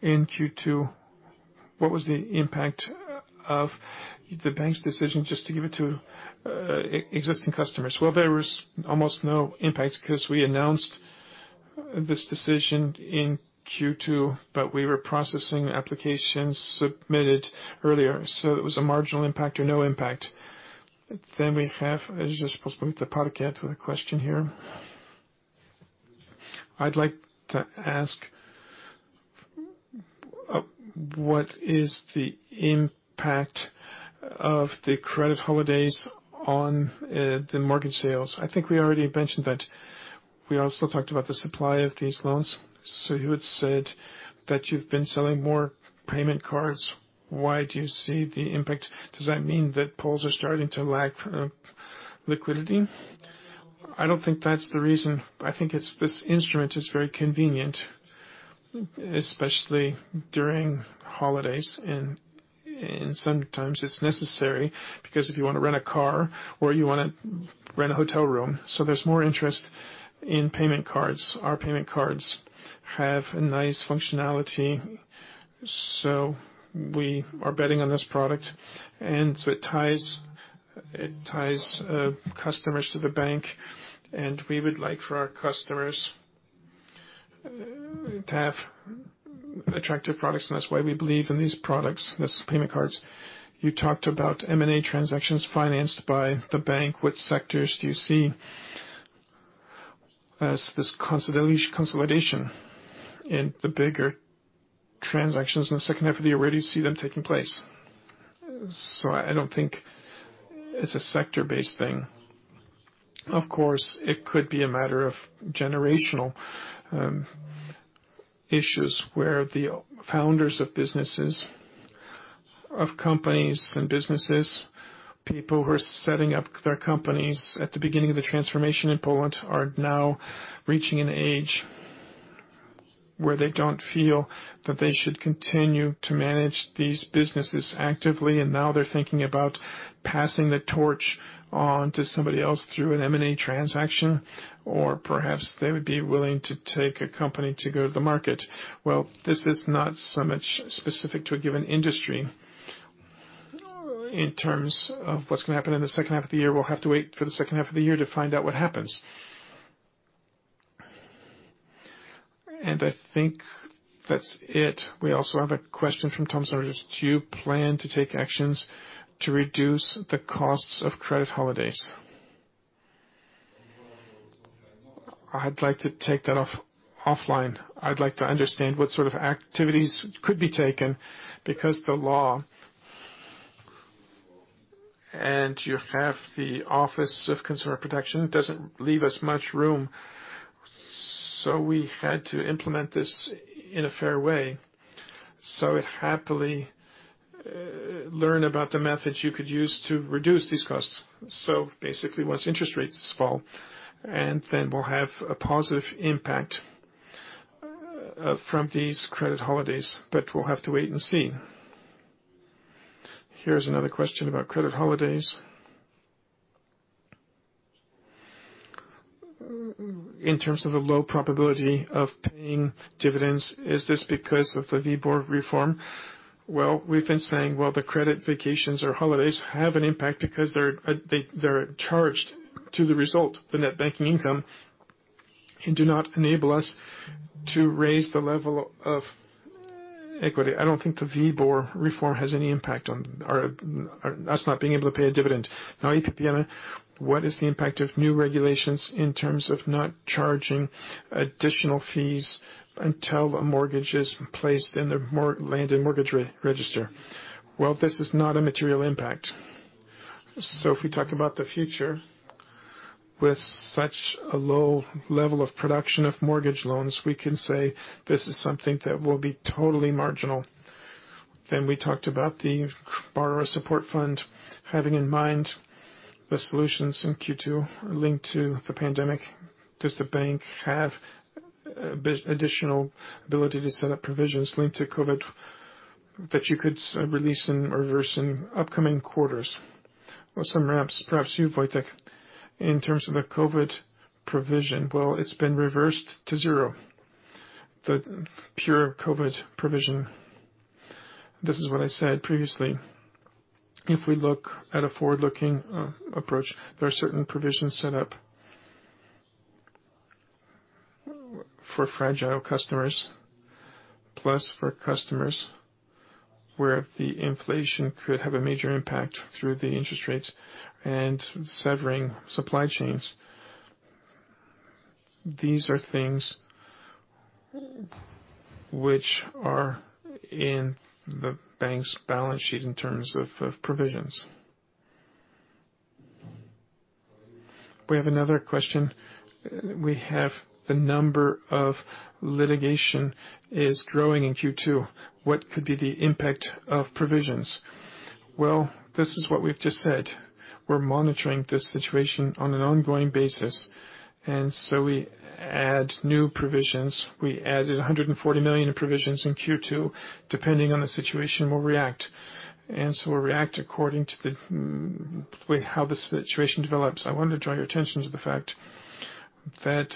In Q2, what was the impact of the bank's decision just to give it to existing customers? There was almost no impact because we announced this decision in Q2, but we were processing applications submitted earlier, so it was a marginal impact or no impact. We have, I was just supposed to move to the product category with a question here. I'd like to ask what is the impact of the credit holidays on the mortgage sales? I think we already mentioned that. We also talked about the supply of these loans. You had said that you've been selling more payment cards. Why do you see the impact? Does that mean that Poland is starting to lack liquidity? I don't think that's the reason. I think it's this instrument is very convenient, especially during holidays, and sometimes it's necessary because if you wanna rent a car or you wanna rent a hotel room, so there's more interest in payment cards. Our payment cards have a nice functionality, so we are betting on this product, and it ties customers to the bank, and we would like for our customers to have attractive products, and that's why we believe in these products, these payment cards. You talked about M&A transactions financed by the bank. What sectors do you see as this consolidation in the bigger transactions in the second half of the year? Where do you see them taking place? I don't think it's a sector-based thing. Of course, it could be a matter of generational issues where the founders of businesses, of companies and businesses, people who are setting up their companies at the beginning of the transformation in Poland are now reaching an age where they don't feel that they should continue to manage these businesses actively. Now they're thinking about passing the torch on to somebody else through an M&A transaction, or perhaps they would be willing to take a company to go to the market. Well, this is not so much specific to a given industry. In terms of what's gonna happen in the second half of the year, we'll have to wait for the second half of the year to find out what happens. I think that's it. We also have a question from Tom Sanders. Do you plan to take actions to reduce the costs of credit holidays? I'd like to take that offline. I'd like to understand what sort of activities could be taken, because the law, and you have the Office of Consumer Protection, doesn't leave us much room. We had to implement this in a fair way. I'd happily learn about the methods you could use to reduce these costs. Basically, once interest rates fall, and then we'll have a positive impact from these credit holidays, but we'll have to wait and see. Here's another question about credit holidays. In terms of the low probability of paying dividends, is this because of the WIBOR reform? Well, we've been saying the credit vacations or holidays have an impact because they're charged to the result, the net banking income, and do not enable us to raise the level of equity. I don't think the WIBOR reform has any impact on our not being able to pay a dividend. Now, EPPI, what is the impact of new regulations in terms of not charging additional fees until a mortgage is placed in the land and mortgage register? Well, this is not a material impact. If we talk about the future, with such a low level of production of mortgage loans, we can say this is something that will be totally marginal. We talked about the Borrower Support Fund. Having in mind the solutions in Q2 linked to the pandemic, does the bank have additional ability to set up provisions linked to COVID that you could release and reverse in upcoming quarters? Well, some perhaps, you, Wojtek, in terms of the COVID provision, well, it's been reversed to zero, the pure COVID provision. This is what I said previously. If we look at a forward-looking approach, there are certain provisions set up for fragile customers, plus for customers where the inflation could have a major impact through the interest rates and severing supply chains. These are things which are in the bank's balance sheet in terms of provisions. We have another question. We have the number of litigation is growing in Q2. What could be the impact of provisions? Well, this is what we've just said. We're monitoring this situation on an ongoing basis. We add new provisions. We added 140 million in provisions in Q2. Depending on the situation, we'll react. We'll react with how the situation develops. I wanted to draw your attention to the fact that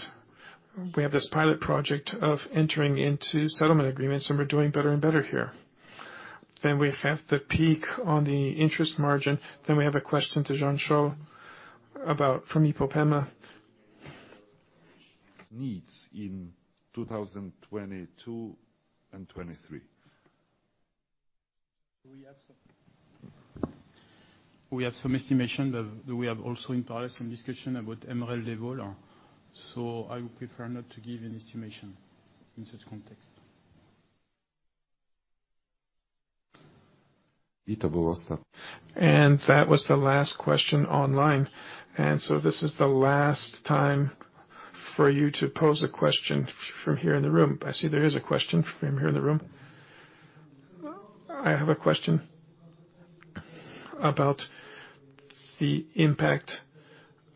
we have this pilot project of entering into settlement agreements, and we're doing better and better here. We have the peak on the interest margin. We have a question to Jean-Charles from IPOPEMA. Needs in 2022 and 2023. We have some estimates, but we also have discussions in progress about MREL level. I would prefer not to give an estimate in such context. That was the last question online. This is the last time for you to pose a question from here in the room. I see there is a question from here in the room. I have a question about the impact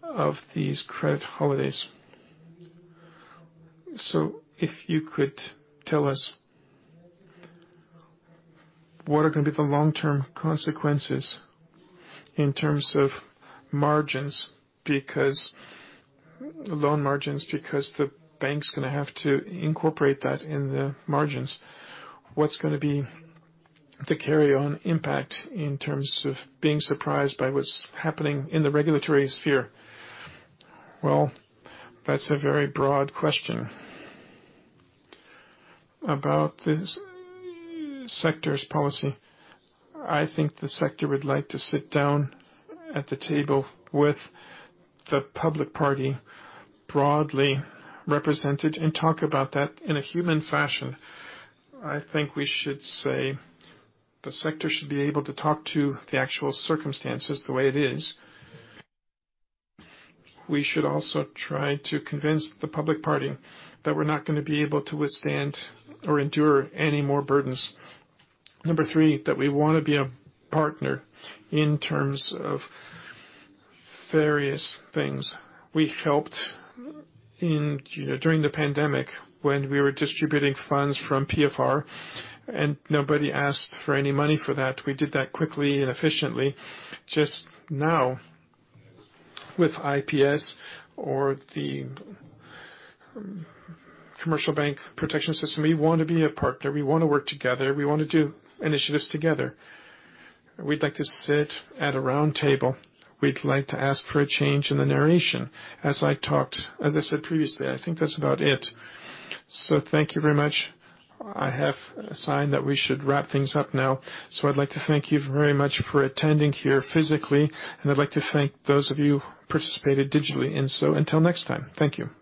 of these credit holidays. If you could tell us, what are gonna be the long-term consequences in terms of margins? Because the loan margins, because the bank's gonna have to incorporate that in the margins. What's gonna be the carry on impact in terms of being surprised by what's happening in the regulatory sphere? Well, that's a very broad question. About this sector's policy, I think the sector would like to sit down at the table with the public party broadly represented and talk about that in a human fashion. I think we should say the sector should be able to talk to the actual circumstances the way it is. We should also try to convince the public party that we're not gonna be able to withstand or endure any more burdens. Number three, that we wanna be a partner in terms of various things. We helped in during the pandemic when we were distributing funds from PFR, and nobody asked for any money for that. We did that quickly and efficiently. Just now with IPS or the commercial bank protection system, we want to be a partner. We wanna work together. We wanna do initiatives together. We'd like to sit at a round table. We'd like to ask for a change in the narrative. As I said previously, I think that's about it. Thank you very much. I have a sign that we should wrap things up now. I'd like to thank you very much for attending here physically, and I'd like to thank those of you who participated digitally. Until next time. Thank you.